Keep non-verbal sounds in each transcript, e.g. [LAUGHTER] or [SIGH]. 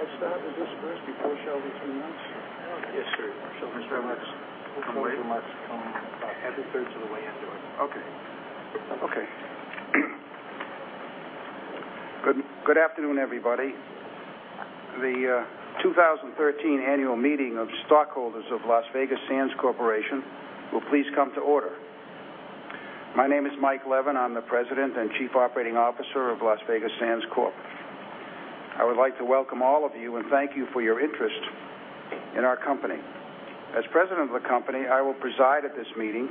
Do I start with this first before Sheldon comes in? Yes, sir. Sheldon will come in about every third to the way indoors. Okay. Good afternoon, everybody. The 2013 annual meeting of stockholders of Las Vegas Sands Corporation will please come to order. My name is Michael Leven. I'm the President and Chief Operating Officer of Las Vegas Sands Corp. I would like to welcome all of you and thank you for your interest in our company. As president of the company, I will preside at this meeting.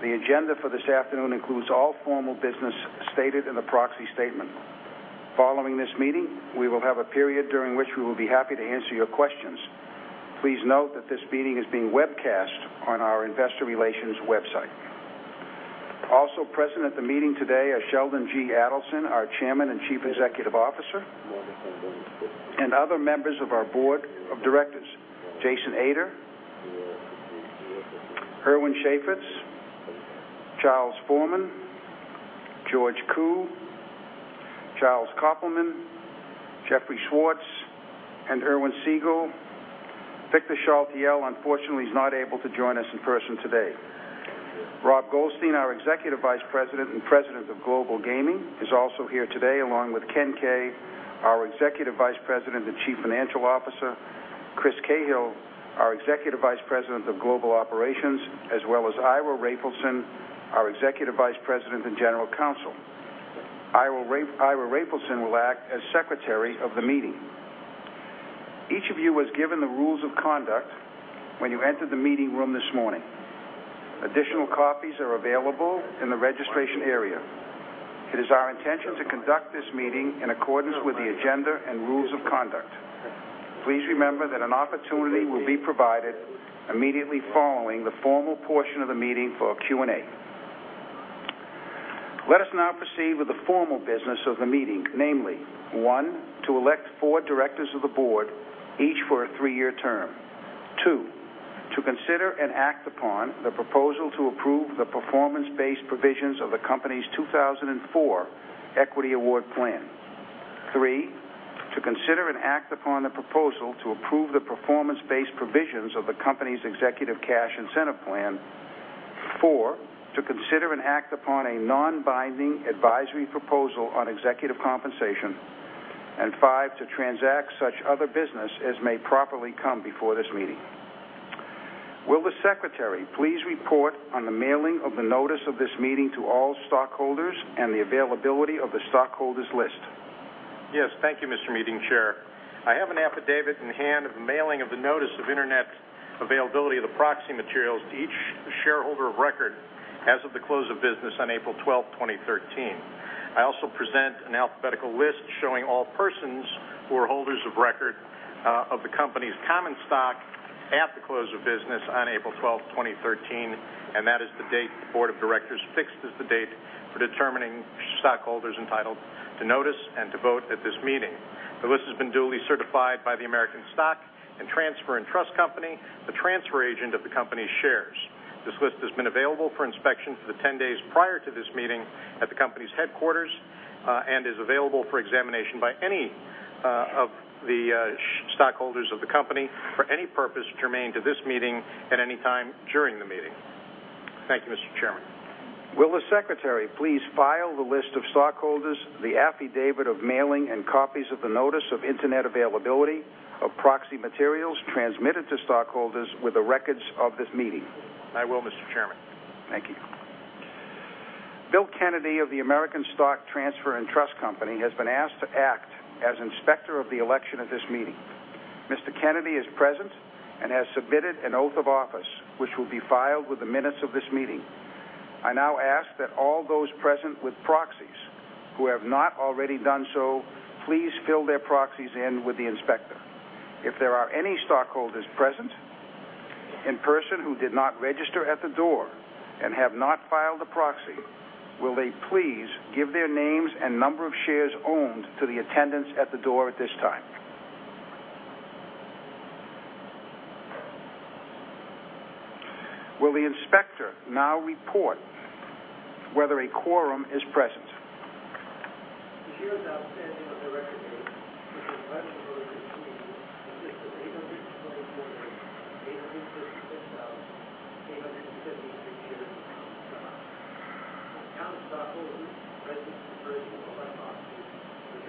The agenda for this afternoon includes all formal business stated in the proxy statement. Following this meeting, we will have a period during which we will be happy to answer your questions. Please note that this meeting is being webcast on our investor relations website. Also present at the meeting today are Sheldon G. Adelson, our Chairman and Chief Executive Officer, and other members of our board of directors, Jason Ader, Irwin Chafetz, Charles D. Forman, George Koo, Charles Koppelman, Jeffrey Schwartz, and Irwin Siegel. Victor Chaltiel, unfortunately, is not able to join us in person today. Rob Goldstein, our Executive Vice President and President of Global Gaming, is also here today, along with Ken Kay, our Executive Vice President and Chief Financial Officer, Chris Cahill, our Executive Vice President of Global Operations, as well as Ira Raphaelson, our Executive Vice President and General Counsel. Ira Raphaelson will act as Secretary of the meeting. Each of you was given the rules of conduct when you entered the meeting room this morning. Additional copies are available in the registration area. It is our intention to conduct this meeting in accordance with the agenda and rules of conduct. Please remember that an opportunity will be provided immediately following the formal portion of the meeting for a Q&A. Let us now proceed with the formal business of the meeting, namely, one, to elect four directors of the board, each for a three-year term. Two, to consider and act upon the proposal to approve the performance-based provisions of the company's 2004 Equity Award Plan. Three, to consider and act upon the proposal to approve the performance-based provisions of the company's Executive Cash Incentive Plan. Four, to consider and act upon a non-binding advisory proposal on executive compensation, and five, to transact such other business as may properly come before this meeting. Will the Secretary please report on the mailing of the notice of this meeting to all stockholders and the availability of the stockholders list? Yes. Thank you, Mr. Meeting Chair. I have an affidavit in hand of the mailing of the notice of internet availability of the proxy materials to each shareholder of record as of the close of business on April 12th, 2013. I also present an alphabetical list showing all persons who are holders of record of the company's common stock at the close of business on April 12th, 2013, that is the date the board of directors fixed as the date for determining stockholders entitled to notice and to vote at this meeting. The list has been duly certified by the American Stock Transfer & Trust Company, the transfer agent of the company's shares. This list has been available for inspection for the 10 days prior to this meeting at the company's headquarters, is available for examination by any of the stockholders of the company for any purpose germane to this meeting at any time during the meeting. Thank you, Mr. Chairman. Will the Secretary please file the list of stockholders, the affidavit of mailing, and copies of the notice of internet availability of proxy materials transmitted to stockholders with the records of this meeting? I will, Mr. Chairman. Thank you. Bill Kennedy of the American Stock Transfer & Trust Company has been asked to act as Inspector of the election at this meeting. Mr. Kennedy is present and has submitted an oath of office, which will be filed with the minutes of this meeting. I now ask that all those present with proxies who have not already done so, please fill their proxies in with the inspector. If there are any stockholders present in person who did not register at the door and have not filed a proxy, will they please give their names and number of shares owned to the attendants at the door at this time? Will the inspector now report whether a quorum is present? The shares outstanding on the record date, which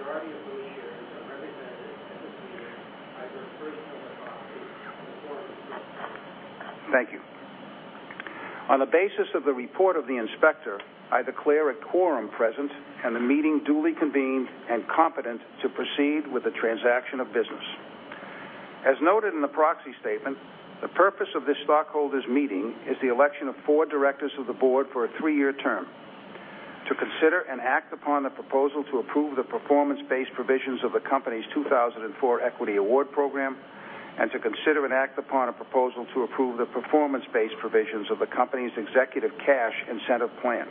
is [INAUDIBLE] this meeting consists of 823,856,853 shares of common stock. Of common stockholders present in person or by proxy, the majority of those shares are represented at this meeting either in person or by proxy. A quorum is present. Thank you. On the basis of the report of the inspector, I declare a quorum present and the meeting duly convened and competent to proceed with the transaction of business. As noted in the proxy statement, the purpose of this stockholders meeting is the election of four directors of the board for a three-year term, to consider and act upon the proposal to approve the performance-based provisions of the company's 2004 Equity Award Program, and to consider and act upon a proposal to approve the performance-based provisions of the company's Executive Cash Incentive Plan,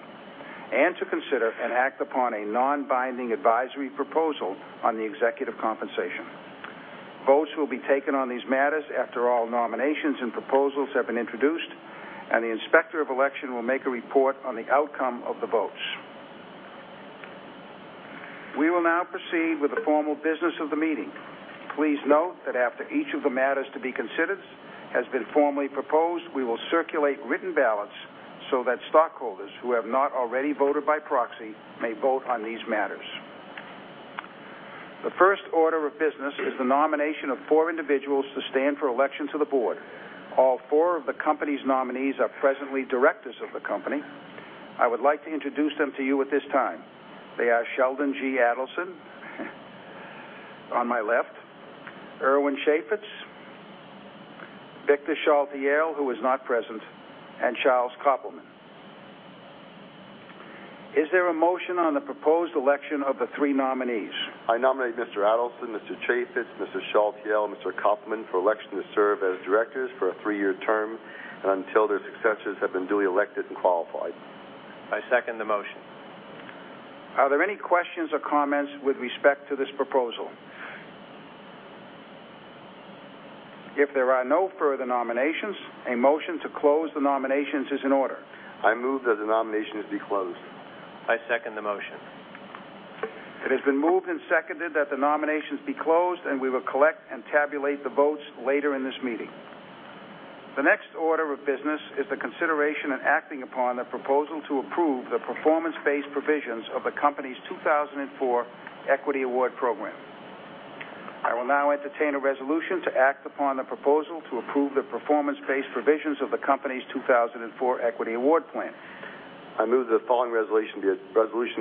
and to consider and act upon a non-binding advisory proposal on the executive compensation. Votes will be taken on these matters after all nominations and proposals have been introduced, and the Inspector of Election will make a report on the outcome of the votes. We will now proceed with the formal business of the meeting. Please note that after each of the matters to be considered has been formally proposed, we will circulate written ballots so that stockholders who have not already voted by proxy may vote on these matters. The first order of business is the nomination of four individuals to stand for election to the board. All four of the company's nominees are presently directors of the company. I would like to introduce them to you at this time. They are Sheldon G. Adelson on my left, Irwin Chafetz, Victor Chaltiel, who is not present, and Charles Koppelman. Is there a motion on the proposed election of the three nominees? I nominate Mr. Adelson, Mr. Chafetz, Mr. Chaltiel, and Mr. Koppelman for election to serve as directors for a three-year term, until their successors have been duly elected and qualified. I second the motion. Are there any questions or comments with respect to this proposal? There are no further nominations, a motion to close the nominations is in order. I move that the nominations be closed. I second the motion. It has been moved and seconded that the nominations be closed, and we will collect and tabulate the votes later in this meeting. The next order of business is the consideration and acting upon the proposal to approve the performance-based provisions of the company's 2004 Equity Award Plan. I will now entertain a resolution to act upon the proposal to approve the performance-based provisions of the company's 2004 Equity Award Plan. I move that the following resolution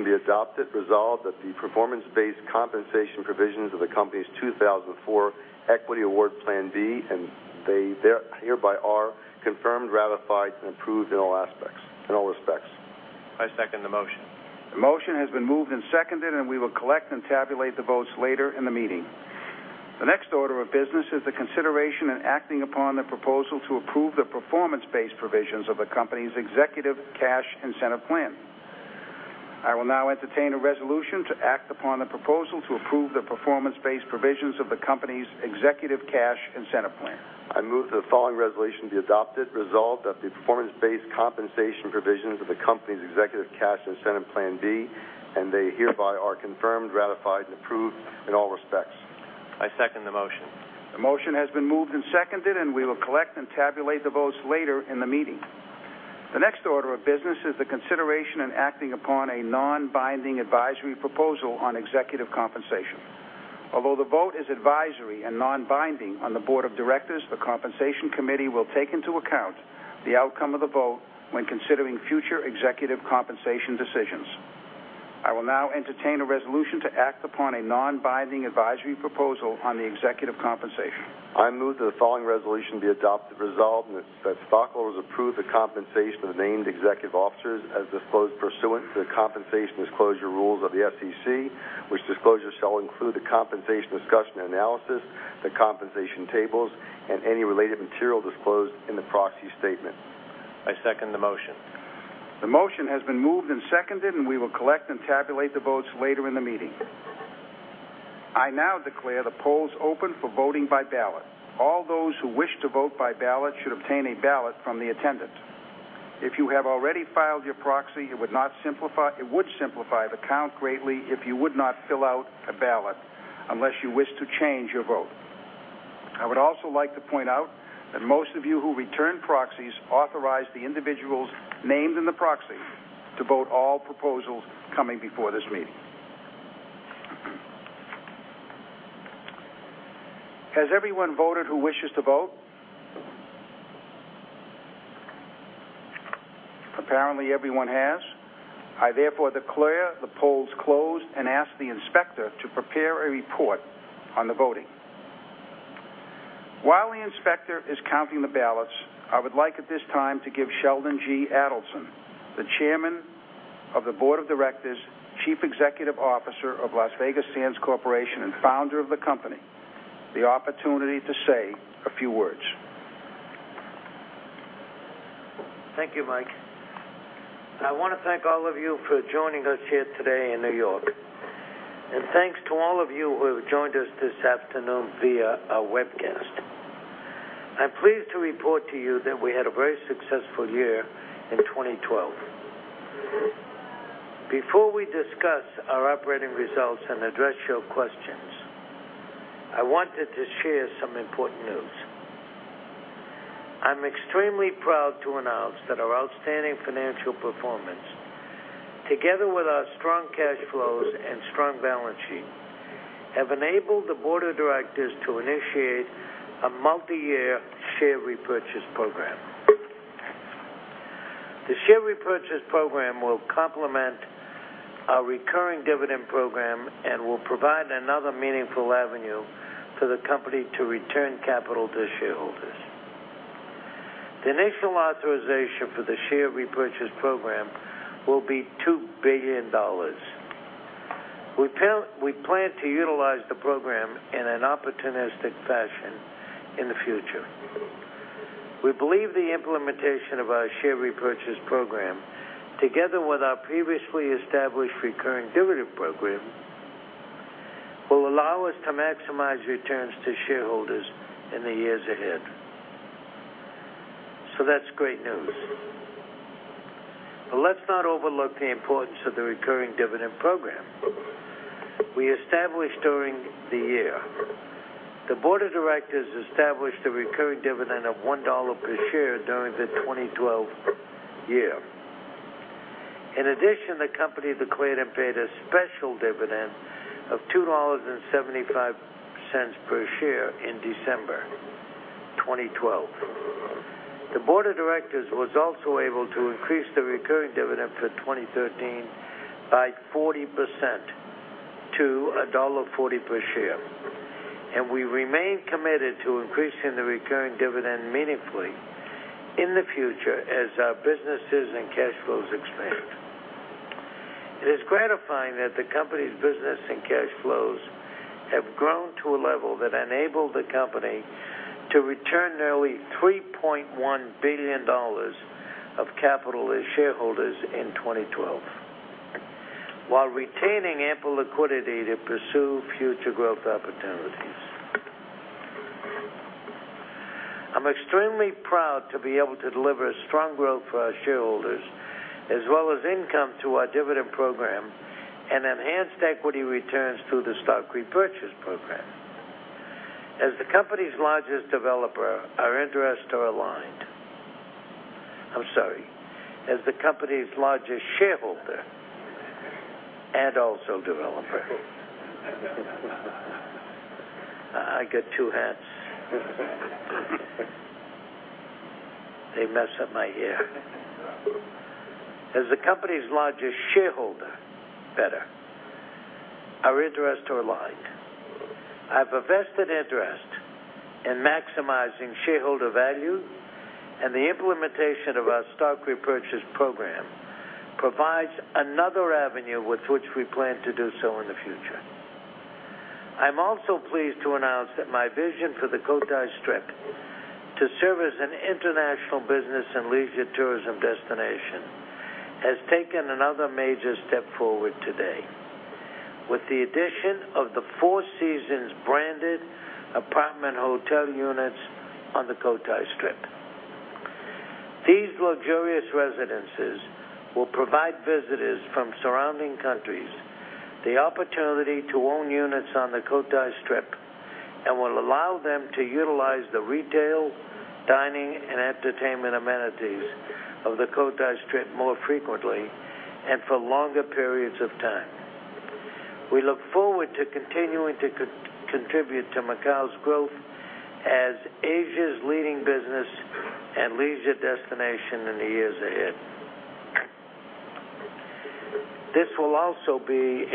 be adopted: Resolved, that the performance-based compensation provisions of the company's 2004 Equity Award Plan be, and they hereby are confirmed, ratified, and approved in all respects. I second the motion. The motion has been moved and seconded, and we will collect and tabulate the votes later in the meeting. The next order of business is the consideration and acting upon the proposal to approve the performance-based provisions of the company's Executive Cash Incentive Plan. I will now entertain a resolution to act upon the proposal to approve the performance-based provisions of the company's Executive Cash Incentive Plan. I move that the following resolution be adopted: Resolved, that the performance-based compensation provisions of the company's Executive Cash Incentive Plan B, and they hereby are confirmed, ratified, and approved in all respects. I second the motion. The motion has been moved and seconded, and we will collect and tabulate the votes later in the meeting. The next order of business is the consideration and acting upon a non-binding advisory proposal on executive compensation. Although the vote is advisory and non-binding on the board of directors, the compensation committee will take into account the outcome of the vote when considering future executive compensation decisions. I will now entertain a resolution to act upon a non-binding advisory proposal on the executive compensation. I move that the following resolution be adopted: Resolved, that stockholders approve the compensation of the named executive officers as disclosed pursuant to the compensation disclosure rules of the SEC, which disclosure shall include the compensation discussion and analysis, the compensation tables, and any related material disclosed in the proxy statement. I second the motion. The motion has been moved and seconded, and we will collect and tabulate the votes later in the meeting. I now declare the polls open for voting by ballot. All those who wish to vote by ballot should obtain a ballot from the attendant. If you have already filed your proxy, it would simplify the count greatly if you would not fill out a ballot unless you wish to change your vote. I would also like to point out that most of you who returned proxies authorized the individuals named in the proxy to vote all proposals coming before this meeting. Has everyone voted who wishes to vote? Apparently, everyone has. I therefore declare the polls closed and ask the inspector to prepare a report on the voting. While the inspector is counting the ballots, I would like at this time to give Sheldon G. Adelson, the Chairman of the Board of Directors, Chief Executive Officer of Las Vegas Sands Corporation, and founder of the company, the opportunity to say a few words. Thank you, Mike. I want to thank all of you for joining us here today in New York. Thanks to all of you who have joined us this afternoon via our webcast. I'm pleased to report to you that we had a very successful year in 2012. Before we discuss our operating results and address your questions, I wanted to share some important news. I'm extremely proud to announce that our outstanding financial performance, together with our strong cash flows and strong balance sheet, have enabled the Board of Directors to initiate a multi-year share repurchase program. The share repurchase program will complement our recurring dividend program and will provide another meaningful avenue for the company to return capital to shareholders. The initial authorization for the share repurchase program will be $2 billion. We plan to utilize the program in an opportunistic fashion in the future. We believe the implementation of our share repurchase program, together with our previously established recurring dividend program, will allow us to maximize returns to shareholders in the years ahead. That's great news. Let's not overlook the importance of the recurring dividend program we established during the year. The Board of Directors established a recurring dividend of $1 per share during the 2012 year. In addition, the company declared and paid a special dividend of $2.75 per share in December 2012. The Board of Directors was also able to increase the recurring dividend for 2013 by 40% to $1.40 per share, and we remain committed to increasing the recurring dividend meaningfully in the future as our businesses and cash flows expand. It is gratifying that the company's business and cash flows have grown to a level that enabled the company to return nearly $3.1 billion of capital to shareholders in 2012 while retaining ample liquidity to pursue future growth opportunities. I'm extremely proud to be able to deliver strong growth for our shareholders as well as income to our dividend program and enhanced equity returns through the stock repurchase program. As the company's largest developer, our interests are aligned. I'm sorry. As the company's largest shareholder and also developer. I get two hats. They mess up my hair. As the company's largest shareholder, better, our interests are aligned. I have a vested interest in maximizing shareholder value, and the implementation of our stock repurchase program provides another avenue with which we plan to do so in the future. I'm also pleased to announce that my vision for the Cotai Strip to serve as an international business and leisure tourism destination has taken another major step forward today with the addition of the Four Seasons-branded apartment hotel units on the Cotai Strip. These luxurious residences will provide visitors from surrounding countries the opportunity to own units on the Cotai Strip and will allow them to utilize the retail, dining, and entertainment amenities of the Cotai Strip more frequently and for longer periods of time. We look forward to continuing to contribute to Macau's growth as Asia's leading business and leisure destination in the years ahead. This will also be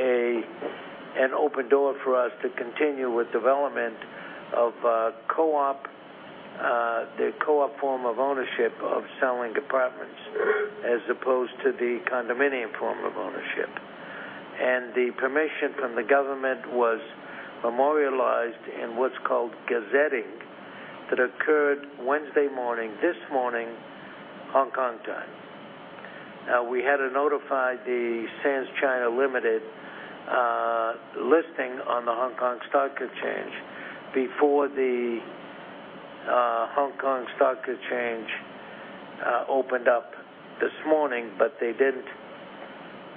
an open door for us to continue with development of the co-op form of ownership of selling apartments as opposed to the condominium form of ownership. The permission from the government was memorialized in what's called gazetting that occurred Wednesday morning, this morning, Hong Kong time. We had to notify the Sands China Limited listing on the Hong Kong Stock Exchange before the Hong Kong Stock Exchange opened up this morning, but they didn't.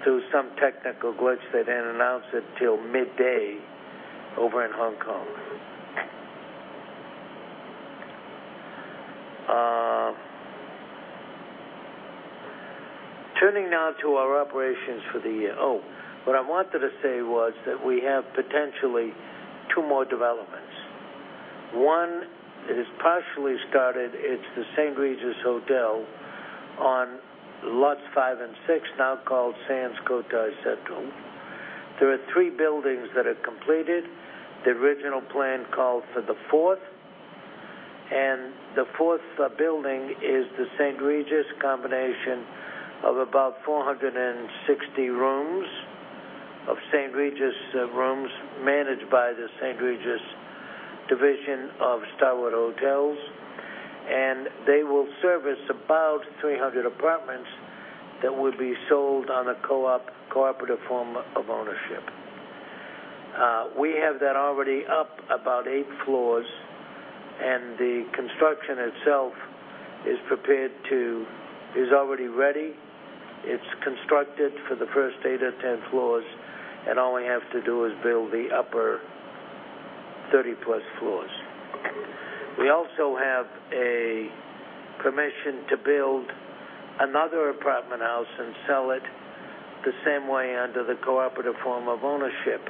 Through some technical glitch, they didn't announce it till midday over in Hong Kong. Turning now to our operations for the year. What I wanted to say was that we have potentially two more developments. One is partially started. It's the St. Regis Hotel on lots five and six, now called Sands Cotai Central. There are three buildings that are completed. The original plan called for the fourth, the fourth building is the St. Regis combination of about 460 rooms of St. Regis rooms managed by the St. Regis division of Starwood Hotels, and they will service about 300 apartments that will be sold on a co-op, cooperative form of ownership. We have that already up about eight floors, the construction itself is already ready. It's constructed for the first eight or 10 floors, and all we have to do is build the upper 30-plus floors. We also have a permission to build another apartment house and sell it the same way under the cooperative form of ownership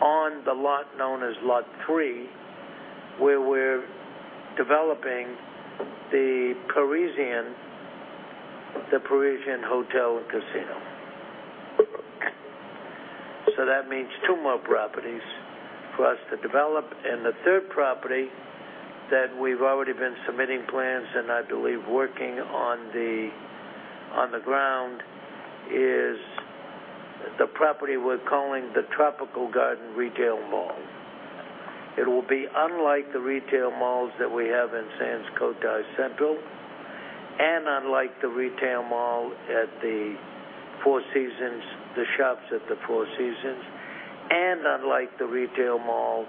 on the lot known as Lot 3, where we're developing the Parisian Hotel and Casino. That means two more properties for us to develop. The third property that we've already been submitting plans, and I believe working on the ground, is the property we're calling the Tropical Garden Retail Mall. It will be unlike the retail malls that we have in Sands Cotai Central and unlike the retail mall at the Four Seasons, the shops at the Four Seasons. Unlike the retail mall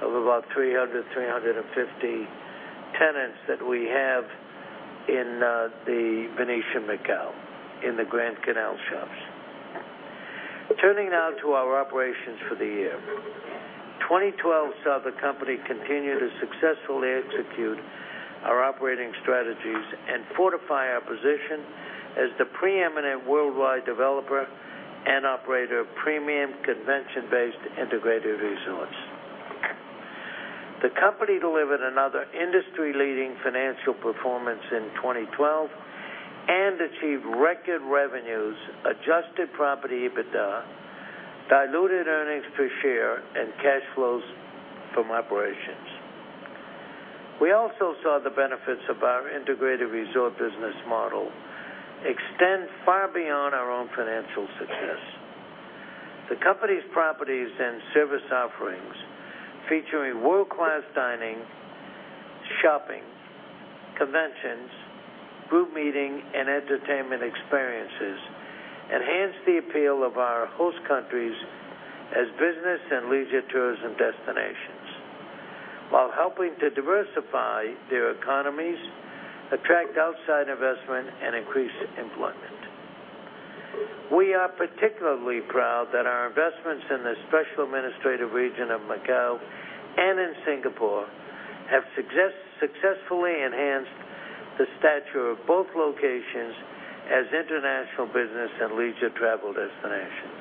of about 300, 350 tenants that we have in the Venetian Macao, in the Grand Canal Shoppes. Turning now to our operations for the year. 2012 saw the company continue to successfully execute our operating strategies and fortify our position as the preeminent worldwide developer and operator of premium convention-based integrated resorts. The company delivered another industry-leading financial performance in 2012 and achieved record revenues, adjusted property EBITDA, diluted earnings per share, and cash flows from operations. We also saw the benefits of our integrated resort business model extend far beyond our own financial success. The company's properties and service offerings featuring world-class dining, shopping, conventions, group meeting, and entertainment experiences enhance the appeal of our host countries as business and leisure tourism destinations while helping to diversify their economies, attract outside investment, and increase employment. We are particularly proud that our investments in the special administrative region of Macao and in Singapore have successfully enhanced the stature of both locations as international business and leisure travel destinations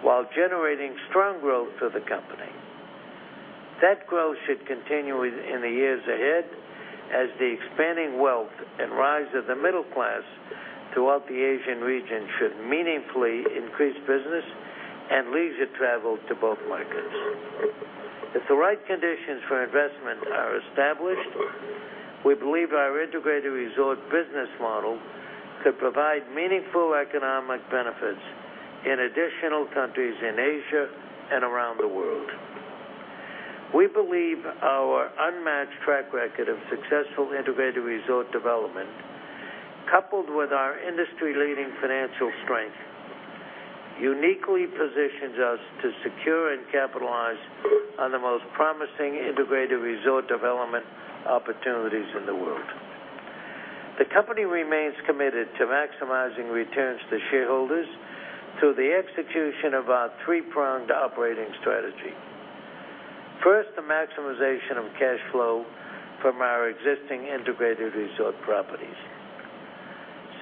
while generating strong growth for the company. That growth should continue in the years ahead as the expanding wealth and rise of the middle class throughout the Asian region should meaningfully increase business and leisure travel to both markets. If the right conditions for investment are established, we believe our integrated resort business model could provide meaningful economic benefits in additional countries in Asia and around the world. We believe our unmatched track record of successful integrated resort development, coupled with our industry-leading financial strength, uniquely positions us to secure and capitalize on the most promising integrated resort development opportunities in the world. The company remains committed to maximizing returns to shareholders through the execution of our three-pronged operating strategy. First, the maximization of cash flow from our existing integrated resort properties.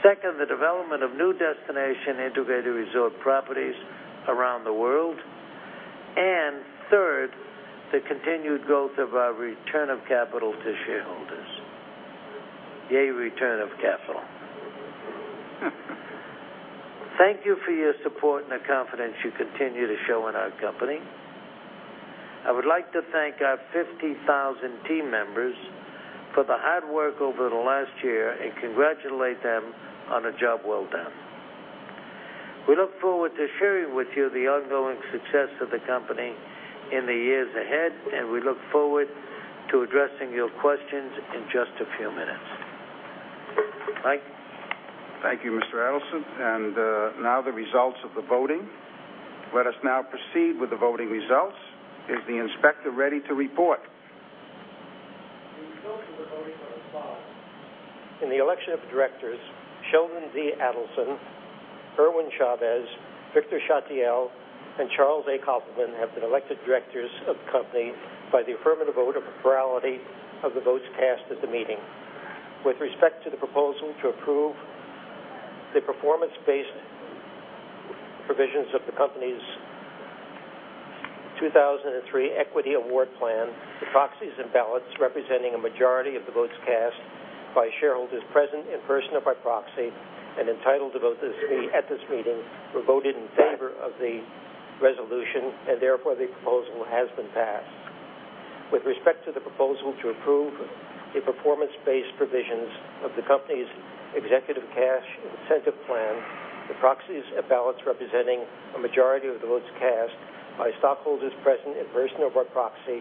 Second, the development of new destination integrated resort properties around the world. Third, the continued growth of our return of capital to shareholders. Yay, return of capital. Thank you for your support and the confidence you continue to show in our company. I would like to thank our 50,000 team members for the hard work over the last year and congratulate them on a job well done. We look forward to sharing with you the ongoing success of the company in the years ahead, and we look forward to addressing your questions in just a few minutes. Mike? Thank you, Mr. Adelson. Now the results of the voting. Let us now proceed with the voting results. Is the inspector ready to report? The results of the voting are as follows: In the election of directors, Sheldon G. Adelson, Irwin Chafetz, Victor Chaltiel, and Charles A. Koppelman have been elected directors of the company by the affirmative vote of a plurality of the votes cast at the meeting. With respect to the proposal to approve the performance-based provisions of the company's 2004 Equity Award Plan, the proxies and ballots representing a majority of the votes cast by shareholders present in person or by proxy and entitled to vote at this meeting were voted in favor of the resolution, and therefore, the proposal has been passed. With respect to the proposal to approve the performance-based provisions of the company's Executive Cash Incentive Plan, the proxies and ballots representing a majority of the votes cast by stockholders present in person or by proxy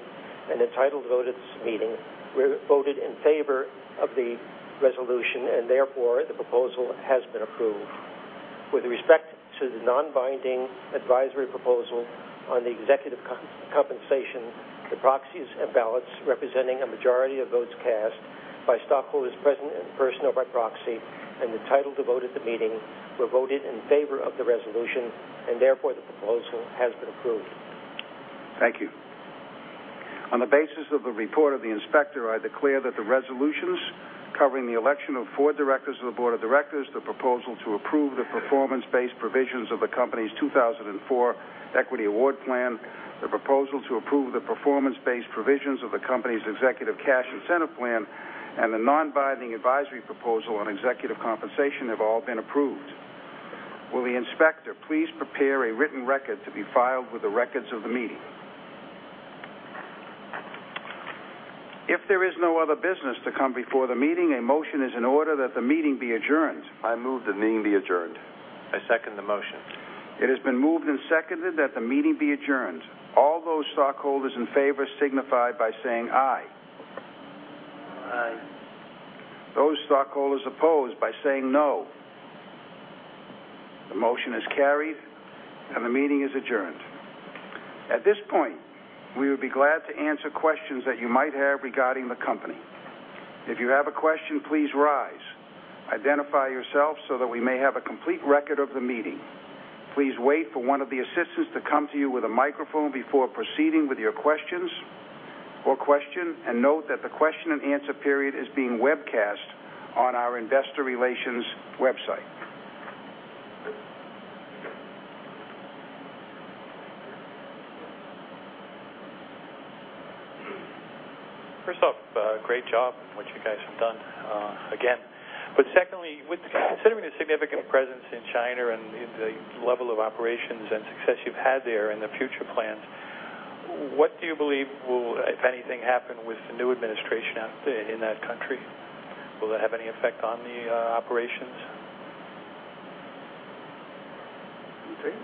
and entitled to vote at this meeting were voted in favor of the resolution, and therefore, the proposal has been approved. With respect to the non-binding advisory proposal on the executive compensation, the proxies and ballots representing a majority of votes cast by stockholders present in person or by proxy and entitled to vote at the meeting were voted in favor of the resolution, and therefore, the proposal has been approved. Thank you. On the basis of the report of the inspector, I declare that the resolutions covering the election of four directors of the board of directors, the proposal to approve the performance-based provisions of the company's 2004 Equity Award Plan, the proposal to approve the performance-based provisions of the company's Executive Cash Incentive Plan, and the non-binding advisory proposal on executive compensation have all been approved. Will the inspector please prepare a written record to be filed with the records of the meeting? If there is no other business to come before the meeting, a motion is in order that the meeting be adjourned. I move the meeting be adjourned. I second the motion. It has been moved and seconded that the meeting be adjourned. All those stockholders in favor signify by saying aye. Aye. Those stockholders opposed by saying no. The motion is carried, and the meeting is adjourned. At this point, we would be glad to answer questions that you might have regarding the company. If you have a question, please rise. Identify yourself so that we may have a complete record of the meeting. Please wait for one of the assistants to come to you with a microphone before proceeding with your questions or question, note that the question and answer period is being webcast on our investor relations website. First off, great job on what you guys have done, again. Secondly, considering the significant presence in China and the level of operations and success you've had there and the future plans, what do you believe will, if anything, happen with the new administration in that country? Will it have any effect on the operations? You okay?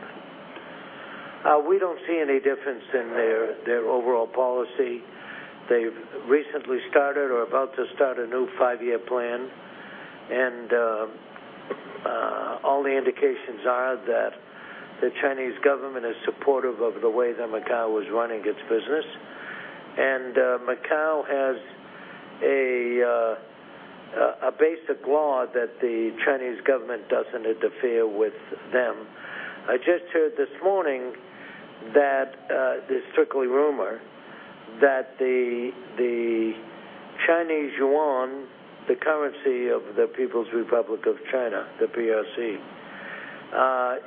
Okay. We don't see any difference in their overall policy. They've recently started or about to start a new five-year plan, all the indications are that the Chinese government is supportive of the way that Macao is running its business. Macao has a basic law that the Chinese government doesn't interfere with them. I just heard this morning that, it's strictly rumor, that the Chinese Yuan, the currency of the People's Republic of China, the PRC,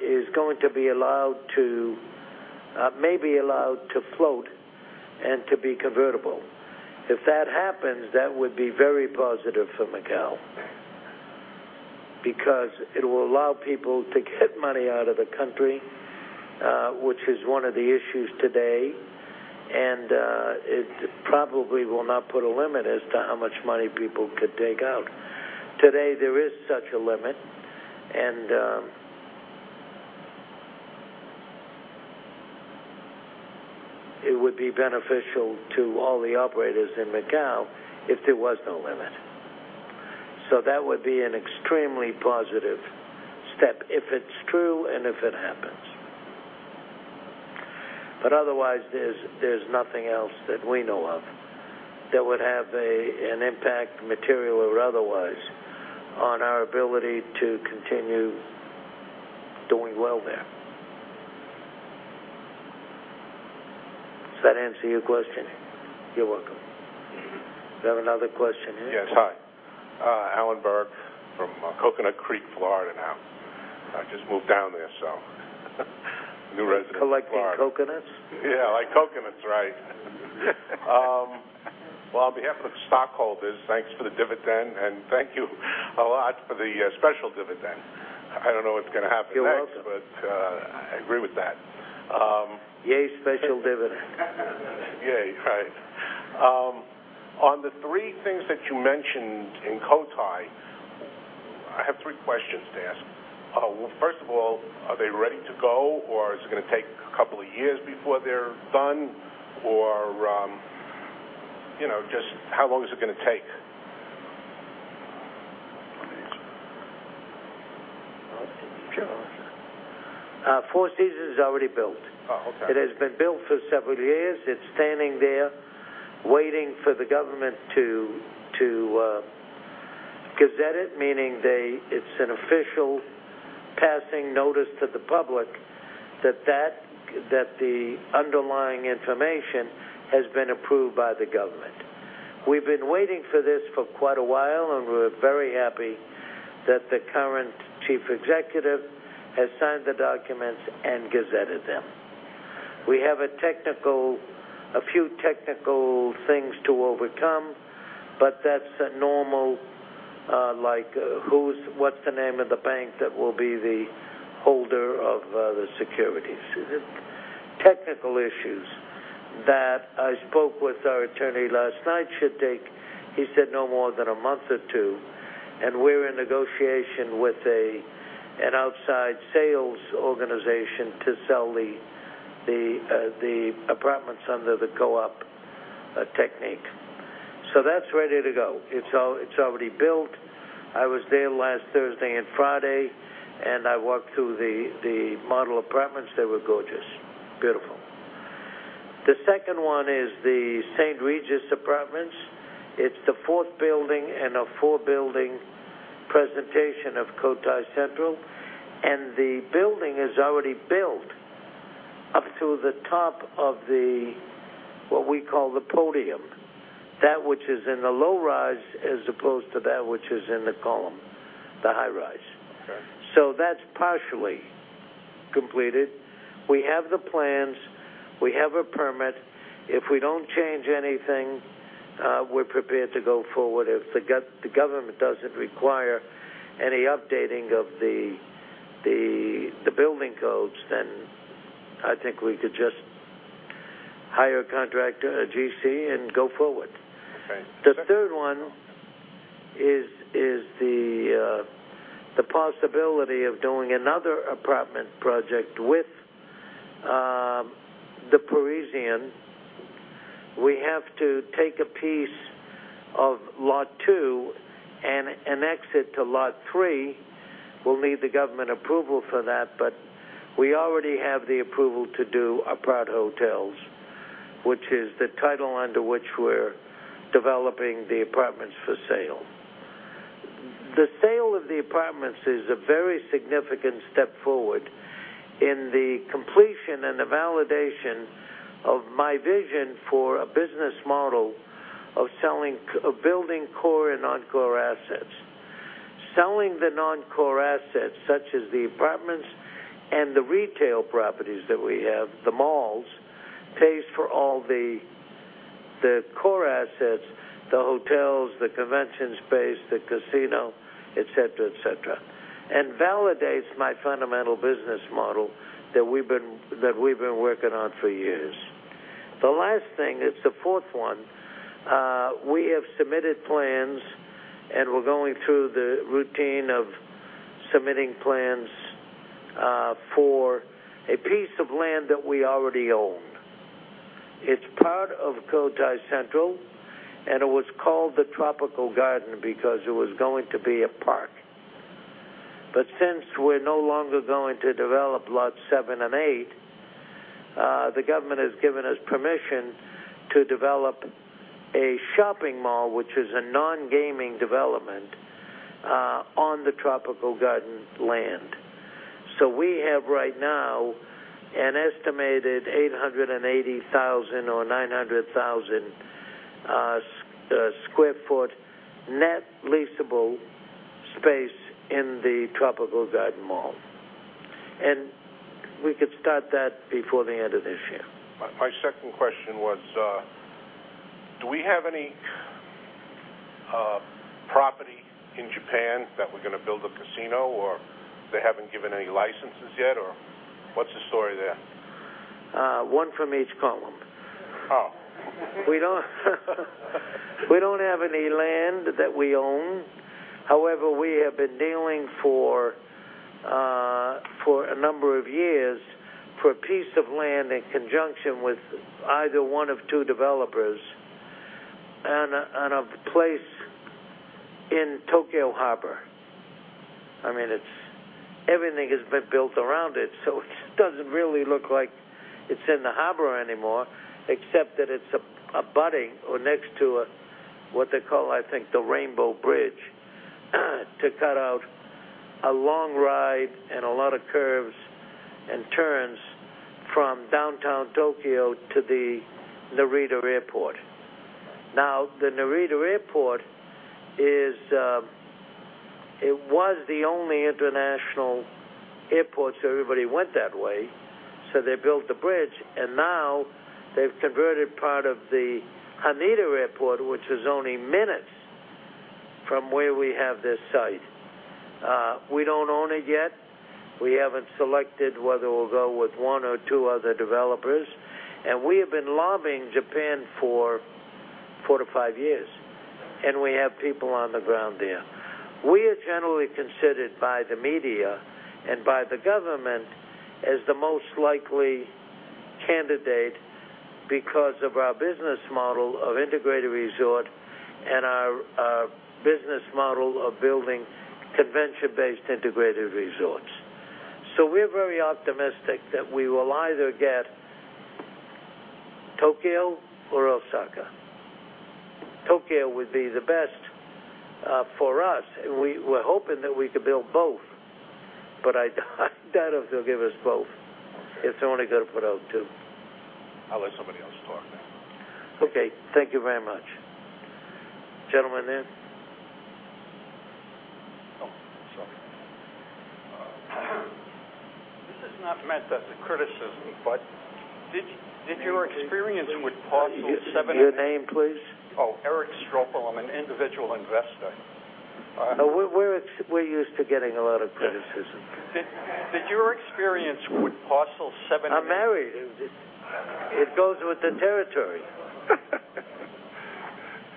may be allowed to float and to be convertible. If that happens, that would be very positive for Macao because it will allow people to get money out of the country, which is one of the issues today, and it probably will not put a limit as to how much money people could take out. Today, there is such a limit, it would be beneficial to all the operators in Macao if there was no limit. That would be an extremely positive step, if it's true and if it happens. Otherwise, there's nothing else that we know of that would have an impact, material or otherwise, on our ability to continue doing well there. Does that answer your question? You're welcome. Is there another question here? Yes. Hi. Alan Burke from Coconut Creek, Florida, now. I just moved down there, new resident of Florida. Collecting coconuts? Yeah. Like coconuts, right. Well, on behalf of the stockholders, thanks for the dividend, and thank you a lot for the special dividend. I don't know what's going to happen next- You're welcome I agree with that. Yay, special dividend. Yay, right. On the three things that you mentioned in Cotai, I have three questions to ask. First of all, are they ready to go, or is it going to take a couple of years before they're done? Or just how long is it going to take? You want me to answer? Sure. Four Seasons is already built. Oh, okay. It has been built for several years. It's standing there waiting for the government to gazette it, meaning it's an official passing notice to the public that the underlying information has been approved by the government. We've been waiting for this for quite a while, and we're very happy that the current Chief Executive has signed the documents and gazetted them. We have a few technical things to overcome, but that's normal, like what's the name of the bank that will be the holder of the securities. Technical issues that I spoke with our attorney last night should take, he said, no more than a month or two, and we're in negotiation with an outside sales organization to sell the apartments under the co-op technique. That's ready to go. It's already built. I was there last Thursday and Friday, and I walked through the model apartments. They were gorgeous. Beautiful. The second one is the St. Regis Apartments. It's the fourth building in a four-building presentation of Cotai Central. The building is already built up to the top of what we call the podium. That which is in the low rise as opposed to that which is in the column, the high rise. Okay. That's partially completed. We have the plans. We have a permit. If we don't change anything, we're prepared to go forward. If the government doesn't require any updating of the building codes, I think we could just hire a contractor, a GC, and go forward. Okay. The third one is the possibility of doing another apartment project with The Parisian. We have to take a piece of Lot 2 and annex it to Lot 3. We'll need the government approval for that, but we already have the approval to do apart hotels, which is the title under which we're developing the apartments for sale. The sale of the apartments is a very significant step forward in the completion and the validation of my vision for a business model of building core and non-core assets. Selling the non-core assets, such as the apartments and the retail properties that we have, the malls, pays for all the core assets, the hotels, the convention space, the casino, et cetera. Validates my fundamental business model that we've been working on for years. The last thing, it's the fourth one, we have submitted plans, and we're going through the routine of submitting plans, for a piece of land that we already own. It's part of Sands Cotai Central, and it was called the Tropical Gardens Shopping Center because it was going to be a park. Since we're no longer going to develop Lots 7 and 8, the government has given us permission to develop a shopping mall, which is a non-gaming development, on the Tropical Gardens Shopping Center land. We have right now an estimated 880,000 or 900,000 sq ft net leasable space in the Tropical Gardens Shopping Center Mall. We could start that before the end of this year. My second question was, do we have any property in Japan that we're going to build a casino, or they haven't given any licenses yet, or what's the story there? One from each column. Oh. We don't have any land that we own. However, we have been dealing for a number of years for a piece of land in conjunction with either one of two developers on a place in Tokyo Harbor. Everything has been built around it, so it doesn't really look like it's in the harbor anymore, except that it's abutting or next to what they call, I think, the Rainbow Bridge to cut out a long ride and a lot of curves and turns from downtown Tokyo to the Narita Airport. Now, the Narita Airport, it was the only international airport, so everybody went that way. They built the bridge, and now they've converted part of the Haneda Airport, which is only minutes from where we have this site. We don't own it yet. We haven't selected whether we'll go with one or two other developers. We have been lobbying Japan for four to five years, and we have people on the ground there. We are generally considered by the media and by the government as the most likely candidate because of our business model of integrated resort and our business model of building convention-based integrated resorts. We're very optimistic that we will either get Tokyo or Osaka. Tokyo would be the best for us. We're hoping that we could build both, but I doubt if they'll give us both. Okay. If they're only going to put out two. I'll let somebody else talk now. Okay. Thank you very much. Gentleman there. Oh. Sorry. This is not meant as a criticism, but did your experience with parcel seven- Your name, please? Oh, Eric Strobel. I'm an individual investor. No, we're used to getting a lot of criticism. I'm married. It goes with the territory.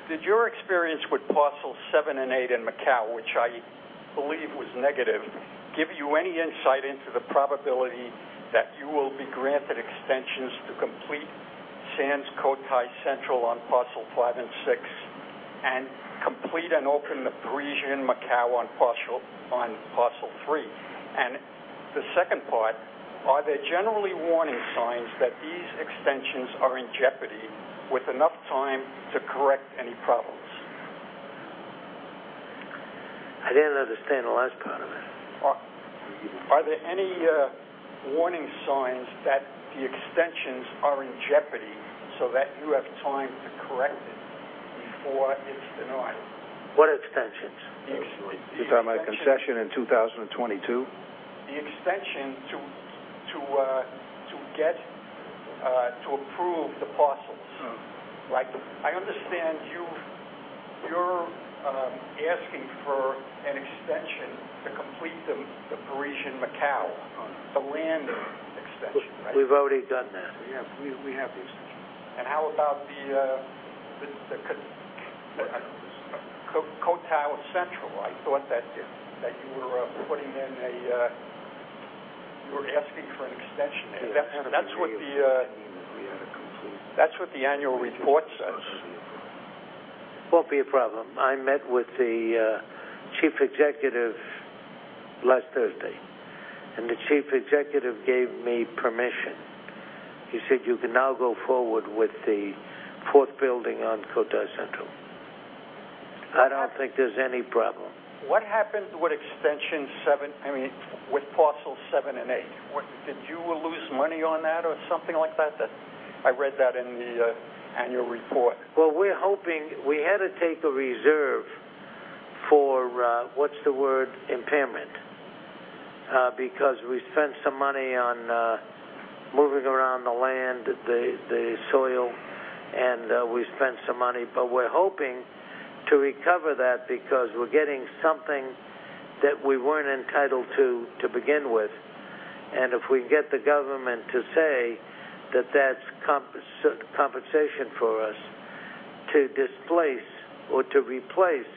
Did your experience with parcel seven and eight in Macao, which I believe was negative, give you any insight into the probability that you will be granted extensions to complete Sands Cotai Central on parcel five and six and complete and open The Parisian Macao on parcel three? The second part, are there generally warning signs that these extensions are in jeopardy with enough time to correct any problems? I didn't understand the last part of that. Are there any warning signs that the extensions are in jeopardy so that you have time to correct it before it's denied? What extensions? You're talking about concession in 2022? The extension to get to approve the parcels. I understand you're asking for an extension to complete The Parisian Macao. The land extension, right? We've already done that. We have the extension. How about the Cotai Central? I thought that you were asking for an extension there. That's what the annual report says. Won't be a problem. I met with the Chief Executive last Thursday, and the Chief Executive gave me permission. He said, "You can now go forward with the fourth building on Cotai Central." I don't think there's any problem. What happened with parcel seven and eight? Did you lose money on that or something like that? I read that in the annual report. Well, we had to take a reserve for, what's the word, impairment, because we spent some money on moving around the land, the soil, and we spent some money. We're hoping to recover that because we're getting something that we weren't entitled to begin with. If we can get the government to say that that's compensation for us to displace or to replace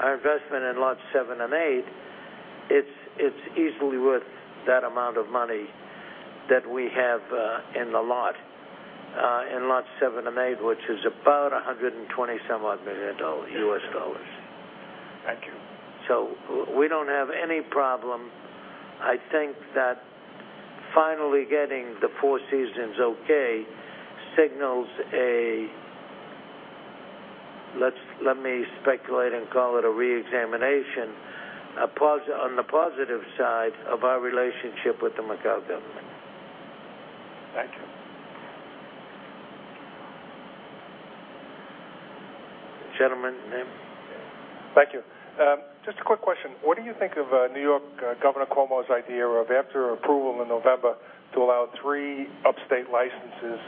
our investment in lot seven and eight, it's easily worth that amount of money that we have in the lot seven and eight, which is about $120 some odd million. Thank you. We don't have any problem. I think that finally getting the Four Seasons okay signals a Let me speculate and call it a re-examination on the positive side of our relationship with the Macau government. Thank you. Gentleman, name? Thank you. Just a quick question. What do you think of New York Governor Cuomo's idea of after approval in November to allow three upstate licenses,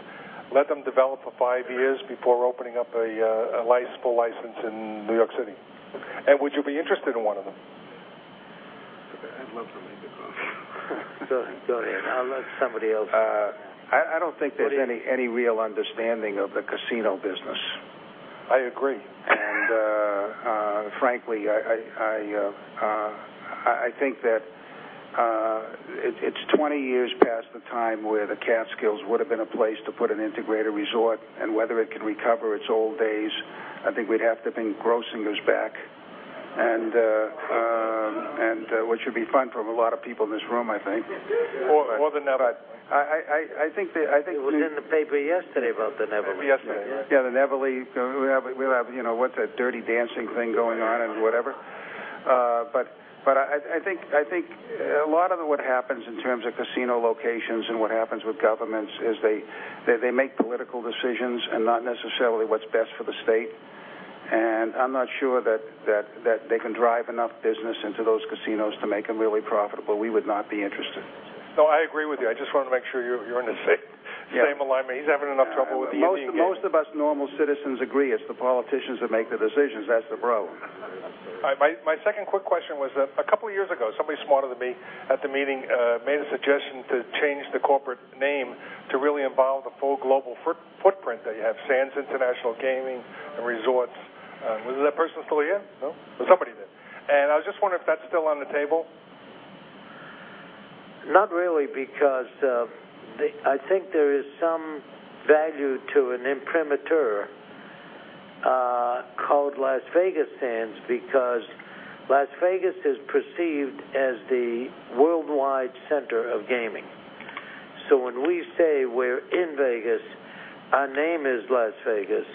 let them develop for five years before opening up a license in New York City? Would you be interested in one of them? I'd love to make the call. Go ahead. I'll let somebody else- I don't think there's any real understanding of the casino business. I agree. Frankly, I think that it's 20 years past the time where the Catskills would've been a place to put an integrated resort, and whether it can recover its old days, I think we'd have to bring Grossinger's back, which would be fun for a lot of people in this room, I think. the Nevele. I think. It was in the paper yesterday about the Nevele. Yesterday. Yeah, the Nevele. We have, what's that Dirty Dancing thing going on and whatever. I think a lot of what happens in terms of casino locations and what happens with governments is they make political decisions and not necessarily what's best for the state. I'm not sure that they can drive enough business into those casinos to make them really profitable. We would not be interested. No, I agree with you. I just wanted to make sure you're in the same alignment. He's having enough trouble with the Indian Gaming. Most of us normal citizens agree. It's the politicians that make the decisions. That's the problem. My second quick question was, a couple of years ago, somebody smarter than me at the meeting made a suggestion to change the corporate name to really involve the full global footprint, that you have Sands International Gaming and Resorts. Is that person still here? No. Well, somebody then. I was just wondering if that's still on the table. Not really, because I think there is some value to an imprimatur called Las Vegas Sands because Las Vegas is perceived as the worldwide center of gaming. When we say we're in Vegas, our name is Las Vegas,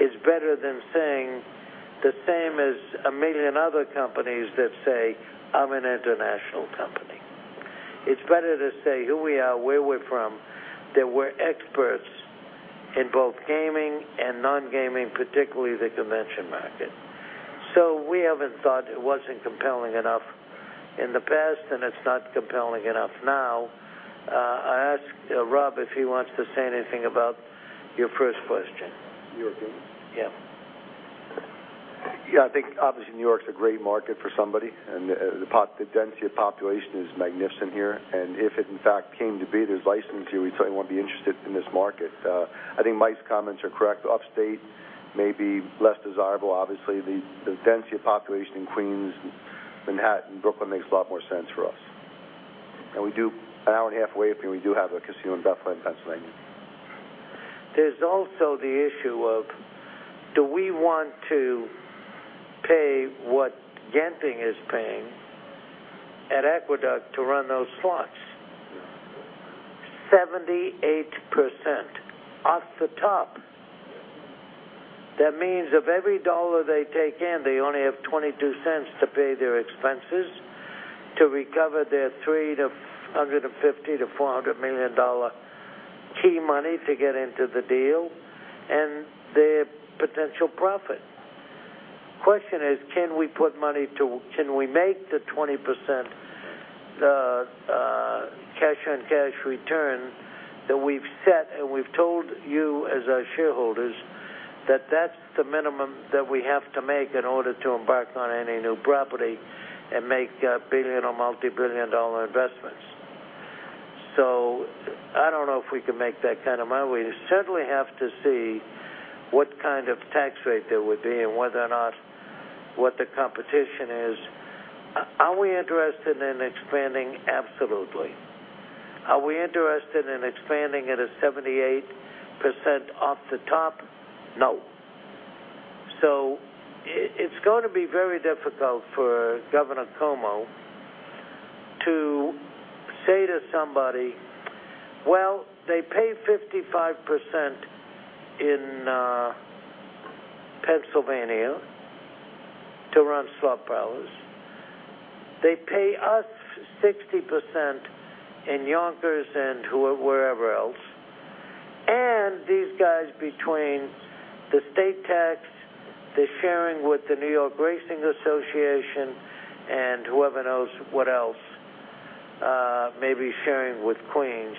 it's better than saying the same as a million other companies that say, "I'm an international company." It's better to say who we are, where we're from, that we're experts in both gaming and non-gaming, particularly the convention market. We haven't thought it wasn't compelling enough in the past, and it's not compelling enough now. I ask Rob if he wants to say anything about your first question. New York gaming? Yeah. Yeah, I think obviously New York's a great market for somebody, the density of population is magnificent here. If it, in fact, came to be there's licensing, we certainly would be interested in this market. I think Mike's comments are correct. Upstate may be less desirable. Obviously, the density of population in Queens, Manhattan, Brooklyn makes a lot more sense for us. We do an hour and a half away, we do have a casino in Bethlehem, Pennsylvania. There's also the issue of, do we want to pay what Genting is paying at Aqueduct to run those slots? 78% off the top. That means of every dollar they take in, they only have $0.22 to pay their expenses to recover their $350 million to $400 million key money to get into the deal, and their potential profit. Question is, can we make the 20% cash on cash return that we've set, and we've told you as our shareholders That's the minimum that we have to make in order to embark on any new property and make billion or multi-billion dollar investments. I don't know if we can make that kind of money. We certainly have to see what kind of tax rate there would be and whether or not what the competition is. Are we interested in expanding? Absolutely. Are we interested in expanding at a 78% off the top? No. It's going to be very difficult for Governor Cuomo to say to somebody, well, they pay 55% in Pennsylvania to run slot parlors. They pay us 60% in Yonkers and wherever else. These guys between the state tax, the sharing with the New York Racing Association, and whoever knows what else, maybe sharing with Queens.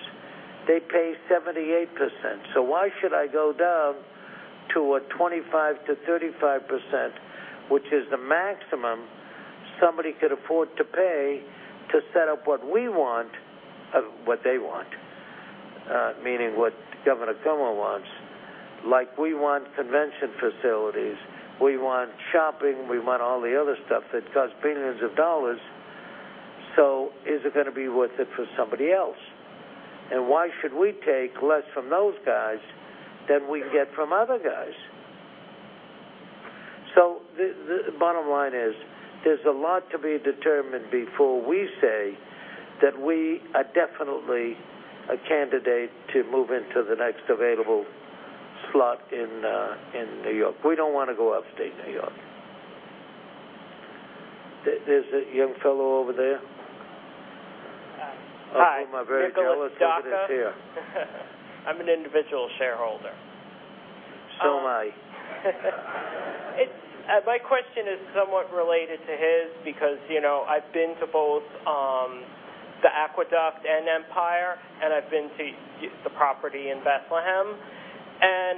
They pay 78%. Why should I go down to a 25%-35%, which is the maximum somebody could afford to pay to set up what we want, what they want, meaning what Governor Cuomo wants. Like we want convention facilities, we want shopping, we want all the other stuff that costs billions of dollars. Is it going to be worth it for somebody else? Why should we take less from those guys than we get from other guys? The bottom line is, there's a lot to be determined before we say that we are definitely a candidate to move into the next available slot in New York. We don't want to go upstate New York. There's a young fellow over there. Hi. I'll put my very yellow cigarettes here. Nicholas Daka. I'm an individual shareholder. Am I. My question is somewhat related to his because I've been to both the Aqueduct and Empire, and I've been to the property in Bethlehem.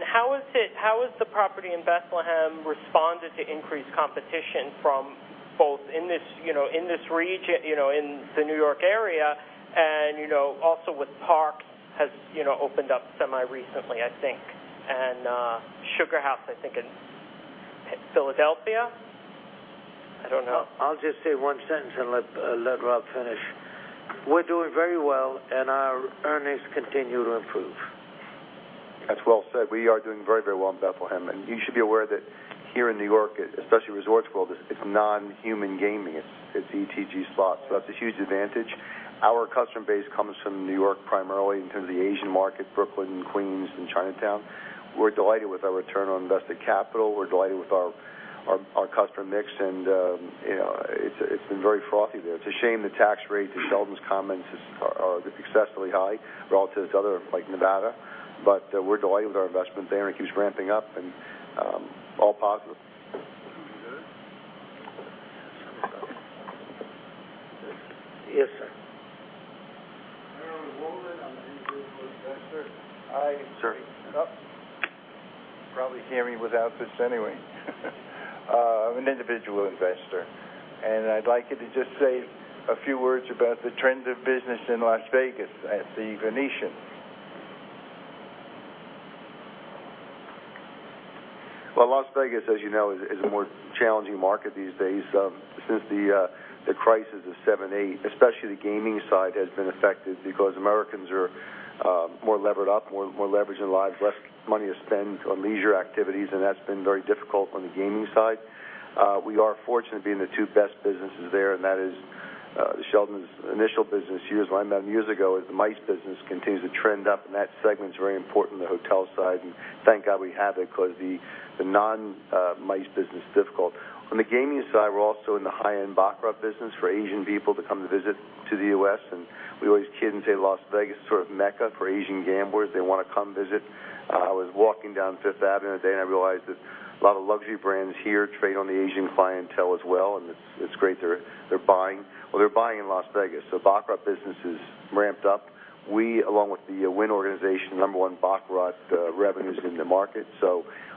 How has the property in Bethlehem responded to increased competition from both in the New York area and also with Parx has opened up semi-recently, I think. SugarHouse Casino, I think in Philadelphia? I don't know. I'll just say one sentence and let Rob finish. We're doing very well, and our earnings continue to improve. That's well said. We are doing very well in Bethlehem. You should be aware that here in New York, especially Resorts World, it's non-human gaming. It's ETG slots, that's a huge advantage. Our customer base comes from New York primarily in terms of the Asian market, Brooklyn, Queens, and Chinatown. We're delighted with our return on invested capital. We're delighted with our customer mix and it's been very frothy there. It's a shame the tax rate that Sheldon's comments are successfully high relative to other like Nevada. We're delighted with our investment there, and it keeps ramping up and all positive. Yes, sir. Harold Wollman, I'm an individual investor. Sir. You can probably hear me without this anyway. I'm an individual investor, I'd like you to just say a few words about the trends of business in Las Vegas at The Venetian. Well, Las Vegas, as you know, is a more challenging market these days. Since the crisis of 2007, 2008, especially the gaming side has been affected because Americans are more levered up, more leverage in lives, less money to spend on leisure activities, that's been very difficult on the gaming side. We are fortunate being the two best businesses there, that is Sheldon's initial business years. When I met him years ago, is the MICE business continues to trend up, that segment's very important on the hotel side, thank God we have it because the non-MICE business is difficult. On the gaming side, we're also in the high-end baccarat business for Asian people to come to visit to the U.S., we always kid and say Las Vegas is sort of mecca for Asian gamblers. They want to come visit. I was walking down Fifth Avenue the other day, I realized that a lot of luxury brands here trade on the Asian clientele as well, it's great they're buying. Well, they're buying in Las Vegas, baccarat business is ramped up. We, along with the Wynn organization, number one baccarat revenues in the market.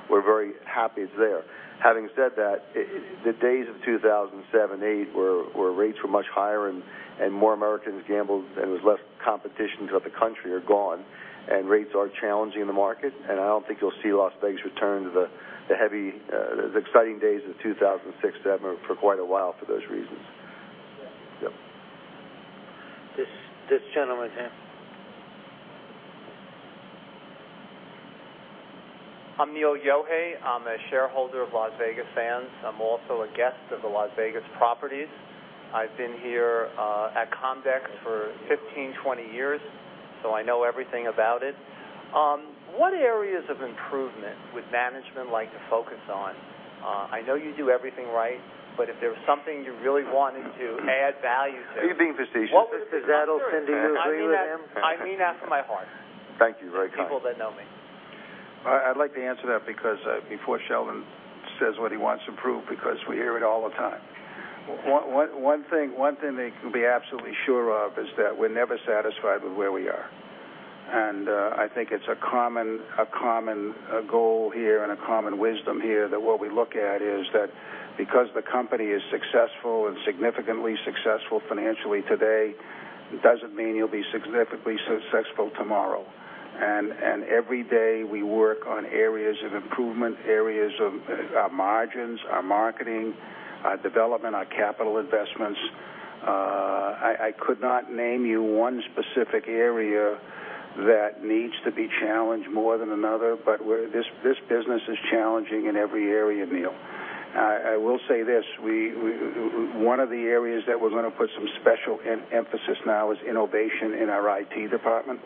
We're very happy it's there. Having said that, the days of 2007, 2008, where rates were much higher, more Americans gambled, there's less competition throughout the country are gone. Rates are challenging in the market, I don't think you'll see Las Vegas return to the heavy, those exciting days of 2006, 2007 for quite a while for those reasons. Yep. This gentleman here. I'm Neil Yohe. I'm a shareholder of Las Vegas Sands. I'm also a guest of the Las Vegas properties. I've been here at Convention for 15, 20 years, so I know everything about it. What areas of improvement would management like to focus on? I know you do everything right, but if there's something you really wanted to add value to. Are you being facetious? Is that okay, Sheldon, do you agree with him? I mean that from my heart. Thank you, very kind. People that know me. I'd like to answer that before Sheldon. says what he wants to prove because we hear it all the time. One thing they can be absolutely sure of is that we're never satisfied with where we are. I think it's a common goal here and a common wisdom here that what we look at is that because the company is successful and significantly successful financially today, it doesn't mean you'll be significantly successful tomorrow. Every day, we work on areas of improvement, areas of our margins, our marketing, our development, our capital investments. I could not name you one specific area that needs to be challenged more than another, but this business is challenging in every area, Neil. I will say this, one of the areas that we're going to put some special emphasis now is innovation in our IT department.